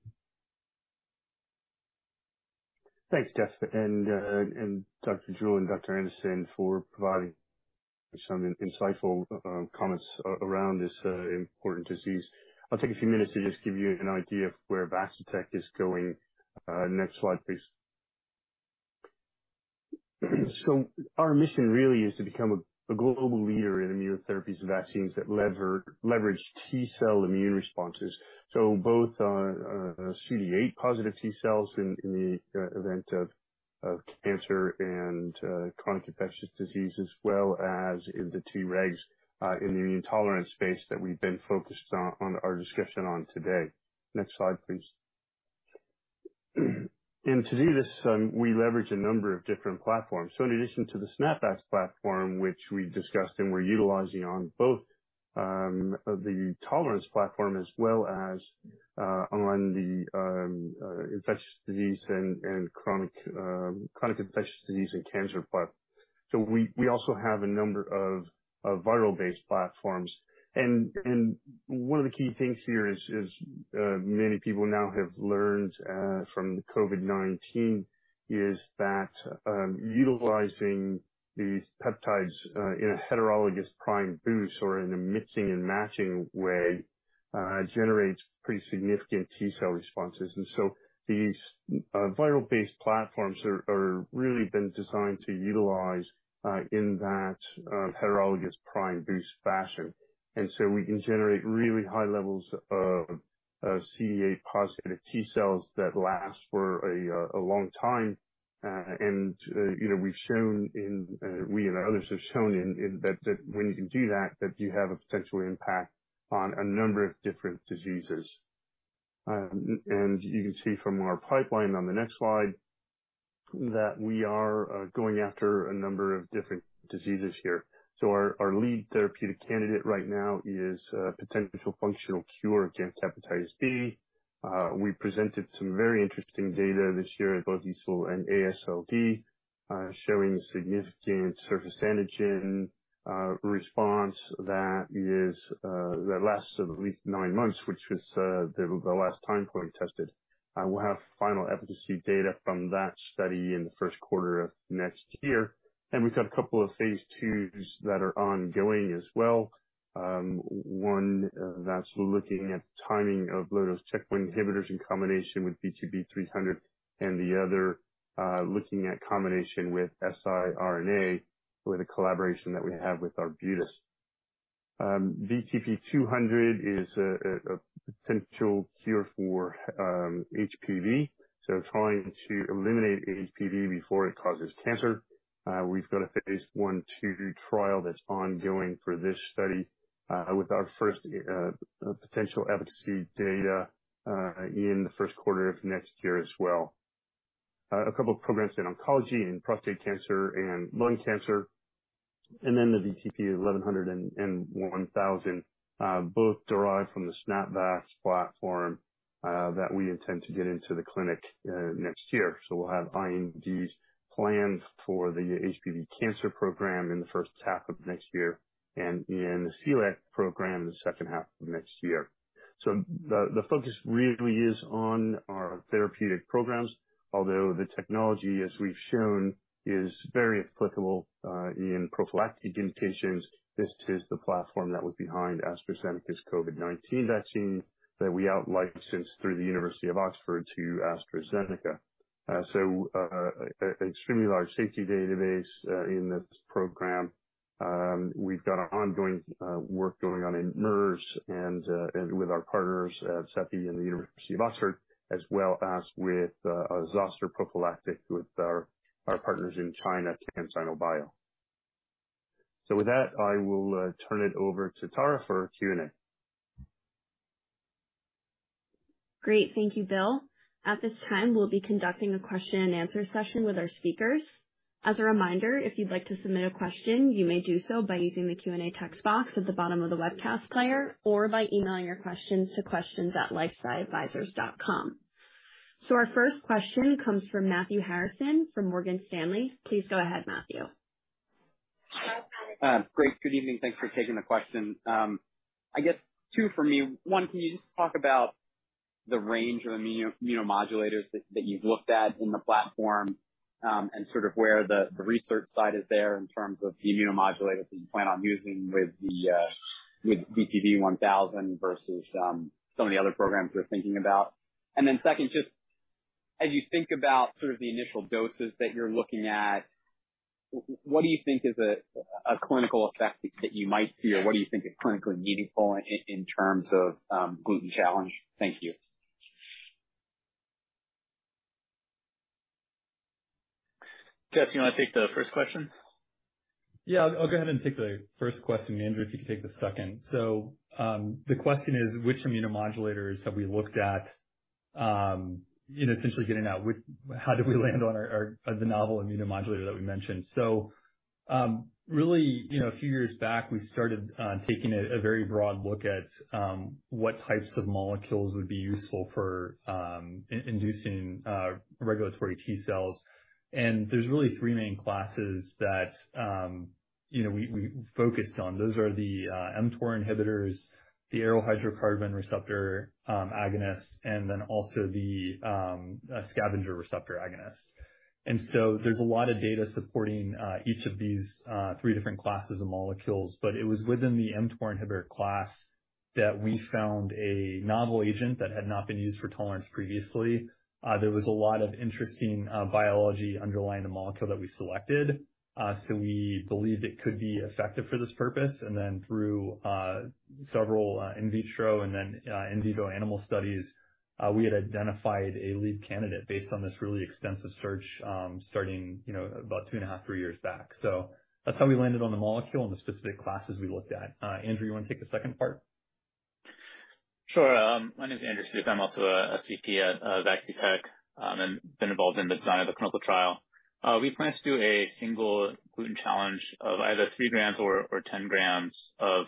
Thanks, Geoff, Dr. Jewell, and Dr. Anderson for providing some insightful comments around this important disease. I'll take a few minutes to just give you an idea of where Vaccitech is going. Next slide, please. Our mission really is to become a global leader in immunotherapies and vaccines that leverage T-cell immune responses, both CD8+ T cells in the event of cancer and chronic infectious disease, as well as in the Tregs in the immune tolerance space that we've been focused on our discussion on today. Next slide, please. To do this, we leverage a number of different platforms. In addition to the SNAPvax platform, which we discussed and we're utilizing on both, the tolerance platform, as well as on the infectious disease and chronic infectious disease and cancer pipe. We also have a number of viral-based platforms. One of the key things here is many people now have learned from COVID-19, is that utilizing these peptides in a heterologous prime boost or in a mixing and matching way, generates pretty significant T-cell responses. These viral-based platforms really been designed to utilize in that heterologous prime boost fashion. We can generate really high levels of CD8+ T cells that last for a long time. You know, we've shown in, we and others have shown that when you can do that you have a potential impact on a number of different diseases. You can see from our pipeline on the next slide that we are going after a number of different diseases here. Our lead therapeutic candidate right now is a potential functional cure against hepatitis B. We presented some very interesting data this year at both EASL and AASLD, showing significant surface antigen response that is that lasts at least nine months, which was the last time point tested. We'll have final efficacy data from that study in the first quarter of next year. We've got a couple of phase IIs that are ongoing as well. One that's looking at timing of low-dose checkpoint inhibitors in combination with VTP-300 and the other looking at combination with siRNA with a collaboration that we have with Arbutus. VTP-200 is a potential cure for HPV, so trying to eliminate HPV before it causes cancer. We've got a phase I/II trial that's ongoing for this study, with our first potential efficacy data in the first quarter of next year as well. A couple of programs in oncology, and prostate cancer and lung cancer, and then the VTP-1100 and VTP-1000, both derived from the SNAPvax platform, that we intend to get into the clinic next year. We'll have INDs planned for the HPV cancer program in the first half of next year and in the celiac program the second half of next year. The focus really is on our therapeutic programs, although the technology, as we've shown, is very applicable in prophylactic indications. This is the platform that was behind AstraZeneca's COVID-19 vaccine that we outlicensed through the University of Oxford to AstraZeneca. Extremely large safety database in this program. We've got ongoing work going on in MERS and with our partners at CEPI and the University of Oxford, as well as with Zoster prophylactic with our partners in China, CanSinoBio. With that, I will turn it over to Tara for Q&A. Great. Thank you, Bill. At this time, we'll be conducting a question-and-answer session with our speakers. As a reminder, if you'd like to submit a question, you may do so by using the Q&A text box at the bottom of the webcast player or by emailing your questions to questions@lifesciadvisors.com. Our first question comes from Matthew Harrison from Morgan Stanley. Please go ahead, Matthew. Great. Good evening. Thanks for taking the question. I guess two for me. One, can you just talk about the range of immunomodulators that you've looked at in the platform, and sort of where the research side is there in terms of the immunomodulators that you plan on using with VTP-1000 versus some of the other programs you're thinking about? Second, just- As you think about sort of the initial doses that you're looking at, what do you think is a clinical effect that you might see, or what do you think is clinically meaningful in terms of, gluten challenge? Thank you. Geoff, you wanna take the first question? Yeah. I'll go ahead and take the first question. Andrew, if you could take the second. The question is, which immunomodulators have we looked at, in essentially getting at how did we land on our, the novel immunomodulator that we mentioned. Really, you know, a few years back, we started taking a very broad look at what types of molecules would be useful for inducing regulatory T-cells. There's really three main classes that, you know, we focused on. Those are the mTOR inhibitors, the aryl hydrocarbon receptor agonist, and then also the scavenger receptor agonist. There's a lot of data supporting each of these three different classes of molecules. It was within the mTOR inhibitor class that we found a novel agent that had not been used for tolerance previously. There was a lot of interesting biology underlying the molecule that we selected. We believed it could be effective for this purpose. Then, through several in vitro and then in vivo animal studies, we had identified a lead candidate based on this really extensive search, you know, about two and a half, three years back. That's how we landed on the molecule and the specific classes we looked at. Andrew, you wanna take the second part? Sure. My name is Andrew Smith. I'm also a VP at Vaccitech and have been involved in the design of the clinical trial. We plan to do a single gluten challenge of either 3 g or 10 g of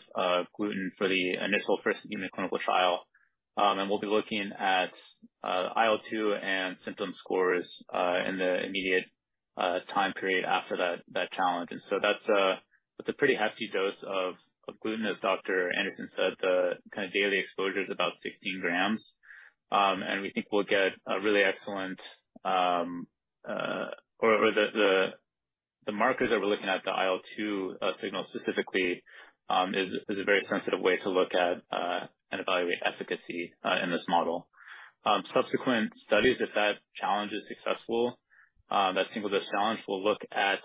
gluten for the initial first human clinical trial. We'll be looking at IL-2 and symptom scores in the immediate time period after that challenge. That's a pretty hefty dose of gluten. As Dr. Anderson said, the kinda daily exposure is about 16 g. We think we'll get a really excellent or the markers that we're looking at, the IL-2 signal specifically, is a very sensitive way to look at and evaluate efficacy in this model. Subsequent studies, if that challenge is successful, that single dose challenge will look at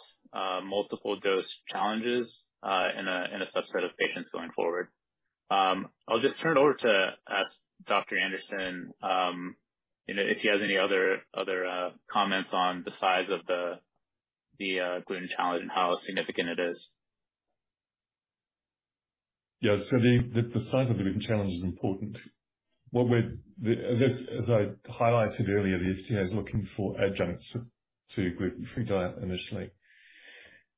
multiple dose challenges in a subset of patients going forward. I'll just turn it over to ask Dr. Anderson, if he has any other comments on the size of the gluten challenge and how significant it is. The size of the gluten challenge is important. As I highlighted earlier, the FDA is looking for adjuncts to gluten-free diet initially.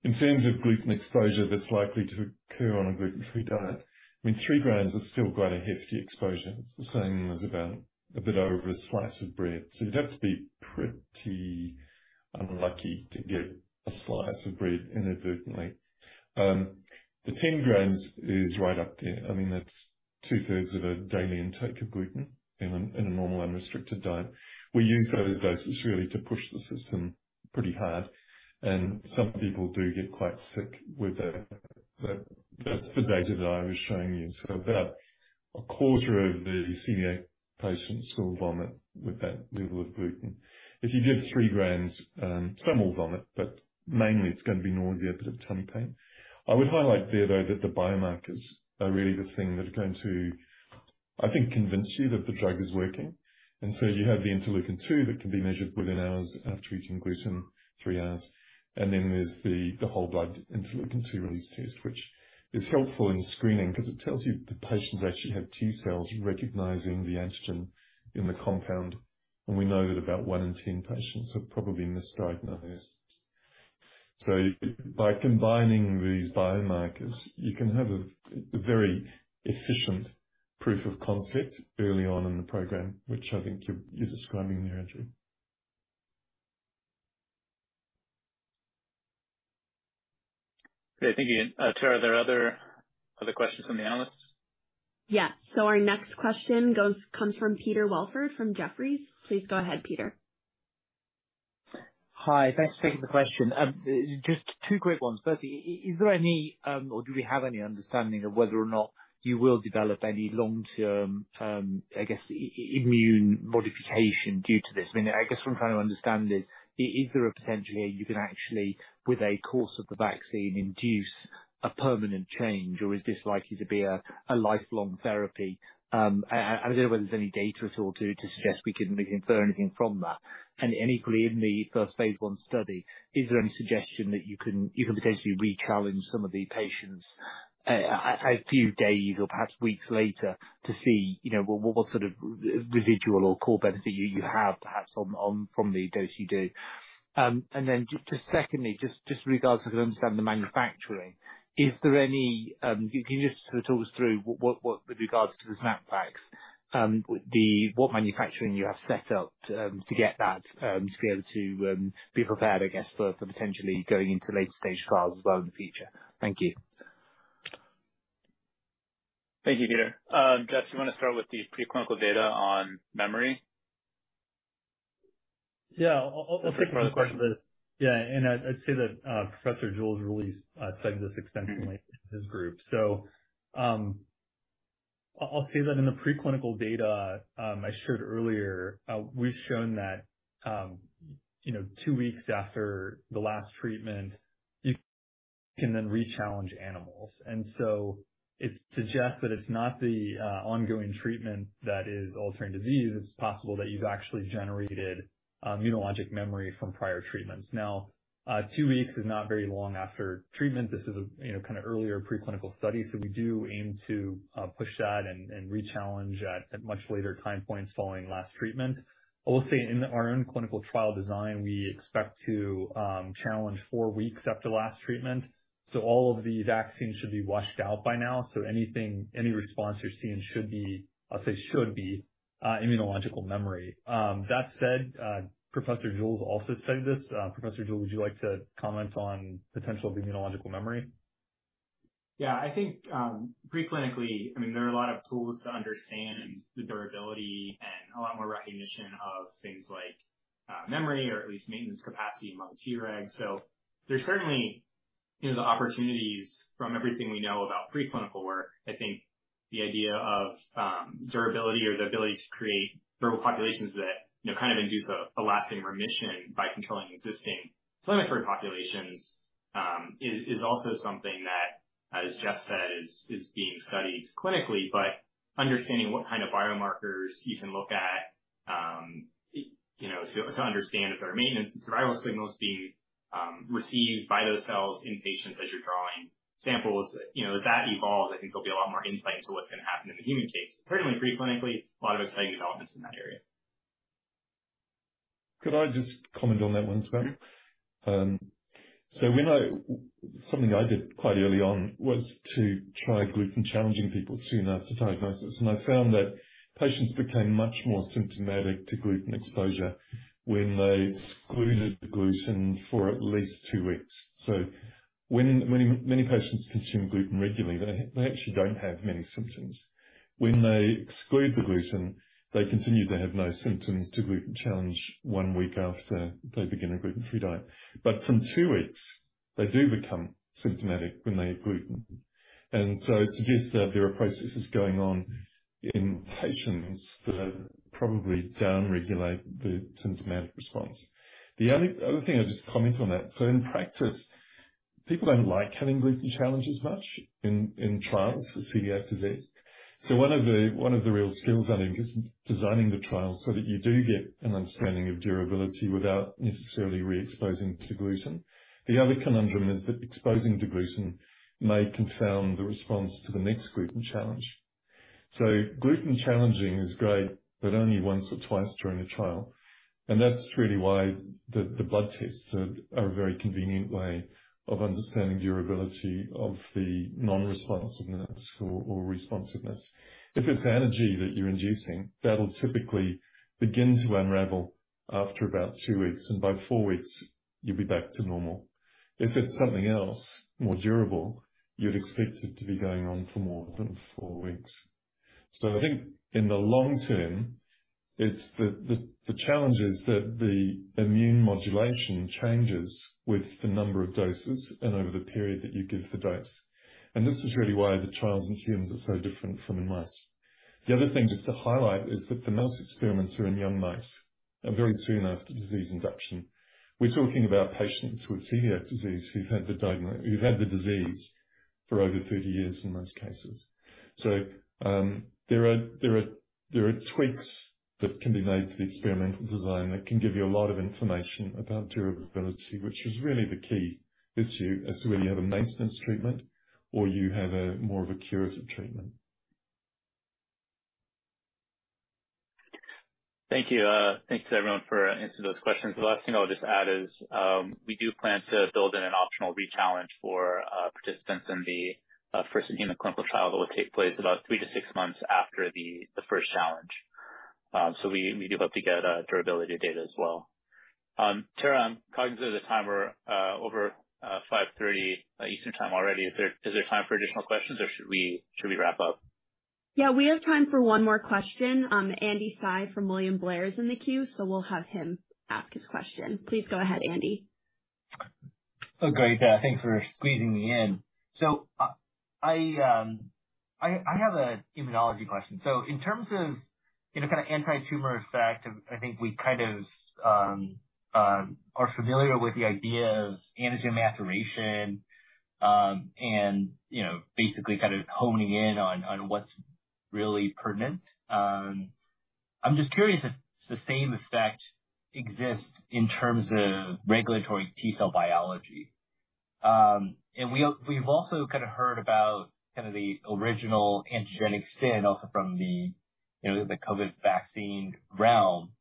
In terms of gluten exposure that's likely to occur on a gluten-free diet, I mean, 3 g is still quite a hefty exposure. It's the same as about a bit over a slice of bread. You'd have to be pretty unlucky to get a slice of bread inadvertently. The 10 g is right up there. I mean, that's 2/3 of a daily intake of gluten in a normal, unrestricted diet. We use those doses really to push the system pretty hard, and some people do get quite sick with that. That's the data that I was showing you. About a quarter of the senior patients will vomit with that level of gluten. If you give 3 g, some will vomit, but mainly it's gonna be nausea, a bit of tummy pain. I would highlight there, though, that the biomarkers are really the thing that are going to, I think, convince you that the drug is working. You have the interleukin-2 that can be measured within hours after eating gluten, three hours. There's the whole blood interleukin-2 release test, which is helpful in screening 'cause it tells you the patients actually have T cells recognizing the antigen in the compound. We know that about 1 in 10 patients are probably misdiagnosed. By combining these biomarkers, you can have a very efficient proof of concept early on in the program, which I think you're describing there, Andrew. Okay. Thank you. Tara, are there other questions from the analysts? Yes. Our next question comes from Peter Welford from Jefferies. Please go ahead, Peter. Hi. Thanks for taking the question. Just two quick ones. First, is there any, or do we have any understanding of whether or not you will develop any long-term, I guess, immune modification due to this? I mean, I guess what I'm trying to understand is there a potentially you can actually, with a course of the vaccine, induce a permanent change, or is this likely to be a lifelong therapy? I don't know whether there's any data at all to suggest we can infer anything from that. Equally, in the first phase I study, is there any suggestion that you can potentially rechallenge some of the patients a few days or perhaps weeks later to see what sort of residual or core benefit you have perhaps from the dose you do? Just secondly, just regard, so I can understand the manufacturing. Is there any, can you just sort of talk us through what, with regard to the SNAPvax, what manufacturing you have set up to get that to be able to be prepared, I guess, for potentially going into later-stage trials as well in the future? Thank you. Thank you, Peter. Geoff, you wanna start with the preclinical data on memory? I'll take the first part of this. Yeah. I'd say that Professor Jewell's really studied this extensively in his group. I'll say that in the preclinical data I showed earlier, we've shown that, you know, two weeks after the last treatment, you can then rechallenge animals. It suggests that it's not the ongoing treatment that is altering disease. It's possible that you've actually generated immunologic memory from prior treatments. Two weeks is not very long after treatment. This is a, you know, kind of earlier preclinical study. We do aim to push that and rechallenge at much later time points following last treatment. I will say in our own clinical trial design, we expect to challenge four weeks after last treatment. All of the vaccine should be washed out by now. Anything, any response you're seeing should be, I'll say, should be immunological memory. That said, Professor Jewell also studied this. Professor Jewell, would you like to comment on potential of immunological memory? Yeah. I think preclinically, I mean, there are a lot of tools to understand the durability and a lot more recognition of things like memory or at least maintenance capacity among Tregs. There's certainly, you know, the opportunities from everything we know about preclinical work. I think the idea of durability or the ability to create durable populations that, you know, kind of induce a lasting remission by controlling existing planetary populations is also something that, as Geoff said, is being studied clinically. Understanding what kind of biomarkers you can look at, you know, to understand if there are maintenance and survival signals being received by those cells in patients as you're drawing samples. You know, as that evolves, I think there'll be a lot more insight into what's gonna happen in the human case. Certainly, preclinically, a lot of exciting developments in that area. Could I just comment on that one, as well? Mm-hmm. We know something I did quite early on was to try gluten-challenging people soon after diagnosis, and I found that patients became much more symptomatic to gluten exposure when they excluded the gluten for at least two weeks. When many, many patients consume gluten regularly, they actually don't have many symptoms. When they exclude the gluten, they continue to have no symptoms to gluten challenge one week after they begin a gluten-free diet. From two weeks, they do become symptomatic when they have gluten. It suggests that there are processes going on in patients that probably downregulate the symptomatic response. The only other thing I'd just comment on that. In practice, people don't like having gluten challenges much in trials for celiac disease. One of the real skills, I think, is designing the trial so that you do get an understanding of durability without necessarily re-exposing to gluten. The other conundrum is that exposing to gluten may confound the response to the next gluten challenge. Gluten challenge is great, but only once or twice during a trial. That's really why the blood tests are a very convenient way of understanding durability of the non-responsiveness or responsiveness. If it's allergy that you're inducing, that'll typically begin to unravel after about two weeks, and by four weeks you'll be back to normal. If it's something else more durable, you'd expect it to be going on for more than four weeks. I think in the long term, it's the challenge is that the immune modulation changes with the number of doses and over the period that you give the dose. This is really why the trials in humans are so different from in mice. The other thing just to highlight is that the mouse experiments are in young mice and very soon after disease induction. We're talking about patients with celiac disease who've had the disease for over 30 years in most cases. There are tweaks that can be made to the experimental design that can give you a lot of information about durability, which is really the key issue as to whether you have a maintenance treatment or you have a more of a curative treatment. Thank you. Thanks to everyone for answering those questions. The last thing I'll just add is, we do plan to build in an optional rechallenge for participants in the first-in-human clinical trial that will take place about 3-6 months after the first challenge. We do hope to get durability data as well. Tara, I'm cognizant of the time. We're over 5:30 Eastern time already. Is there time for additional questions, or should we wrap up? Yeah, we have time for one more question. Andy Hsieh from William Blair is in the queue, so we'll have him ask his question. Please go ahead, Andy. Oh, great. Thanks for squeezing me in. I have an immunology question. In terms of, you know, kind of anti-tumor effect, I think we kind of are familiar with the idea of antigen maturation, and, you know, basically kind of honing in on what's really pertinent. I'm just curious if the same effect exists in terms of regulatory T cell biology. We've also kind of heard about kind of the original antigenic sin also from the, you know, the COVID vaccine realm.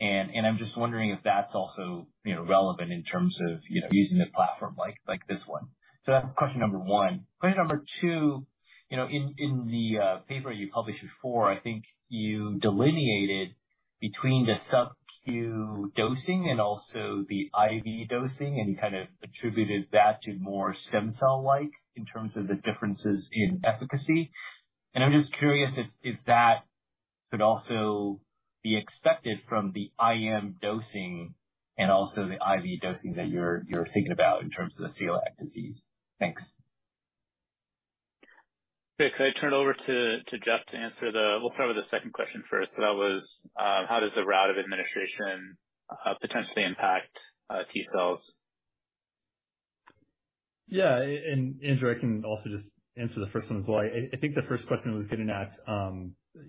I'm just wondering if that's also, you know, relevant in terms of, you know, using the platform like this one. That's question number one. Question number two, you know, in the paper you published before, I think you delineated between the sub-Q dosing and also the IV dosing, and you kind of attributed that to more stem cell-like in terms of the differences in efficacy. I'm just curious if that could also be expected from the IM dosing and also the IV dosing that you're thinking about in terms of the celiac disease? Thanks. Okay. Could I turn it over to Geoff to answer we'll start with the second question first. That was how does the route of administration potentially impacts T cells? Yeah. Andrew, I can also just answer the first one as well. I think the first question was getting at,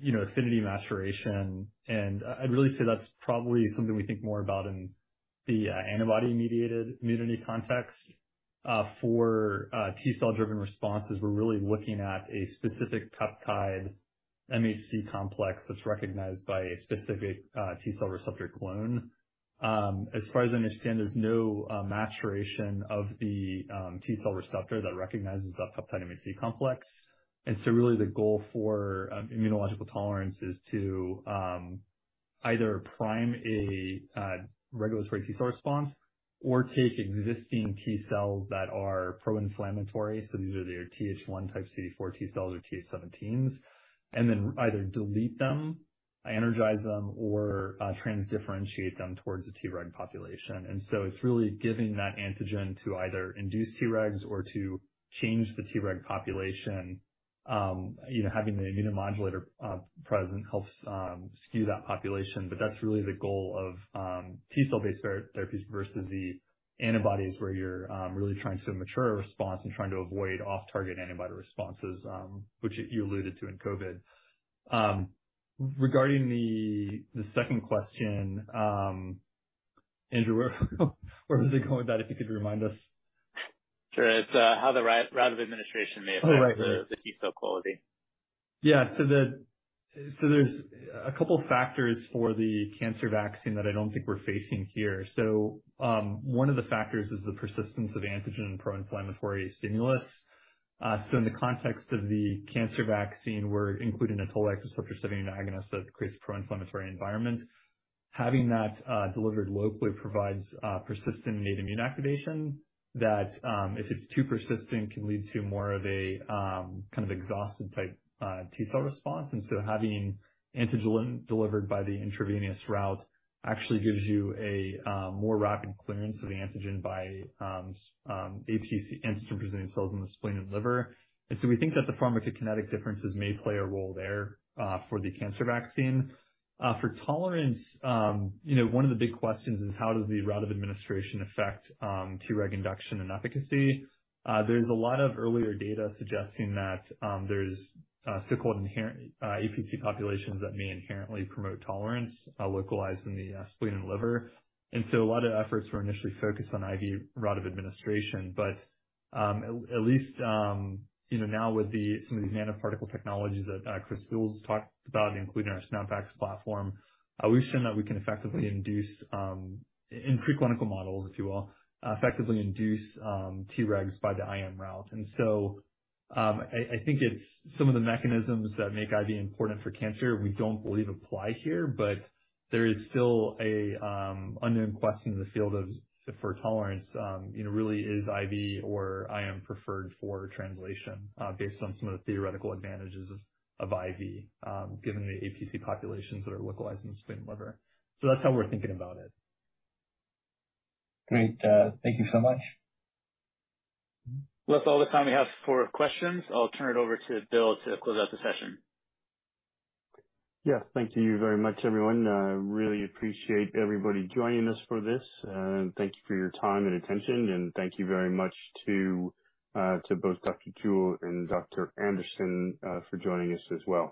you know, affinity maturation. I'd really say that's probably something we think more about in the antibody-mediated immunity context. For T cell-driven responses, we're really looking at a specific peptide MHC complex that's recognized by a specific T cell receptor clone. As far as I understand, there's no maturation of the T cell receptor that recognizes that peptide MHC complex. So, really the goal for immunological tolerance is to either prime a regulatory T cell response or take existing T cells that are pro-inflammatory, so these are their Th1-type CD4 T cells or Th17, and then either delete them, energize them, or transdifferentiate them towards the Treg population. It's really giving that antigen to either induce Tregs or to change the Treg population. You know, having the immunomodulator present helps skew that population, but that's really the goal of T cell-based therapy versus the antibodies, where you're really trying to mature a response and trying to avoid off-target antibody responses, which you alluded to in COVID. Regarding the second question, Andrew, where was I going with that? If you could remind us? Sure. It's, how the route of administration may affect- Oh, right.... the T cell quality. Yeah. There's a couple factors for the cancer vaccine that I don't think we're facing here. One of the factors is the persistence of antigen pro-inflammatory stimulus. In the context of the cancer vaccine, we're including a toll-like receptor 7 agonist that creates a pro-inflammatory environment. Having that delivered locally provides persistent innate immune activation that, if it's too persistent, can lead to more of a kind of exhausted type T cell response. Having antigen delivered by the intravenous route actually gives you a more rapid clearance of the antigen by APC, antigen-presenting cells in the spleen and liver. We think that the pharmacokinetic differences may play a role there for the cancer vaccine. For tolerance, you know, one of the big questions is how does the route of administration affects Treg induction and efficacy? There's a lot of earlier data suggesting that there's sickle inherent APC populations that may inherently promote tolerance localized in the spleen and liver. A lot of efforts were initially focused on IV route of administration. At least, you know, now with the some of these nanoparticle technologies that Chris Jewell's talked about, including our SnapVax platform, we've shown that we can effectively induce, in pre-clinical models, if you will, effectively induce Tregs by the IM route. I think it's some of the mechanisms that make IV important for cancer we don't believe apply here, but there is still an unknown question in the field of, for tolerance, you know, really is IV or IM preferred for translation, based on some of the theoretical advantages of IV, given the APC populations that are localized in the spleen and liver. That's how we're thinking about it. Great. Thank you so much. Well, that's all the time we have for questions. I'll turn it over to Bill to close out the session. Yes. Thank you very much, everyone. Really appreciate everybody joining us for this. Thank you for your time and attention. Thank you very much to both Dr. Jewell and Dr. Anderson for joining us as well.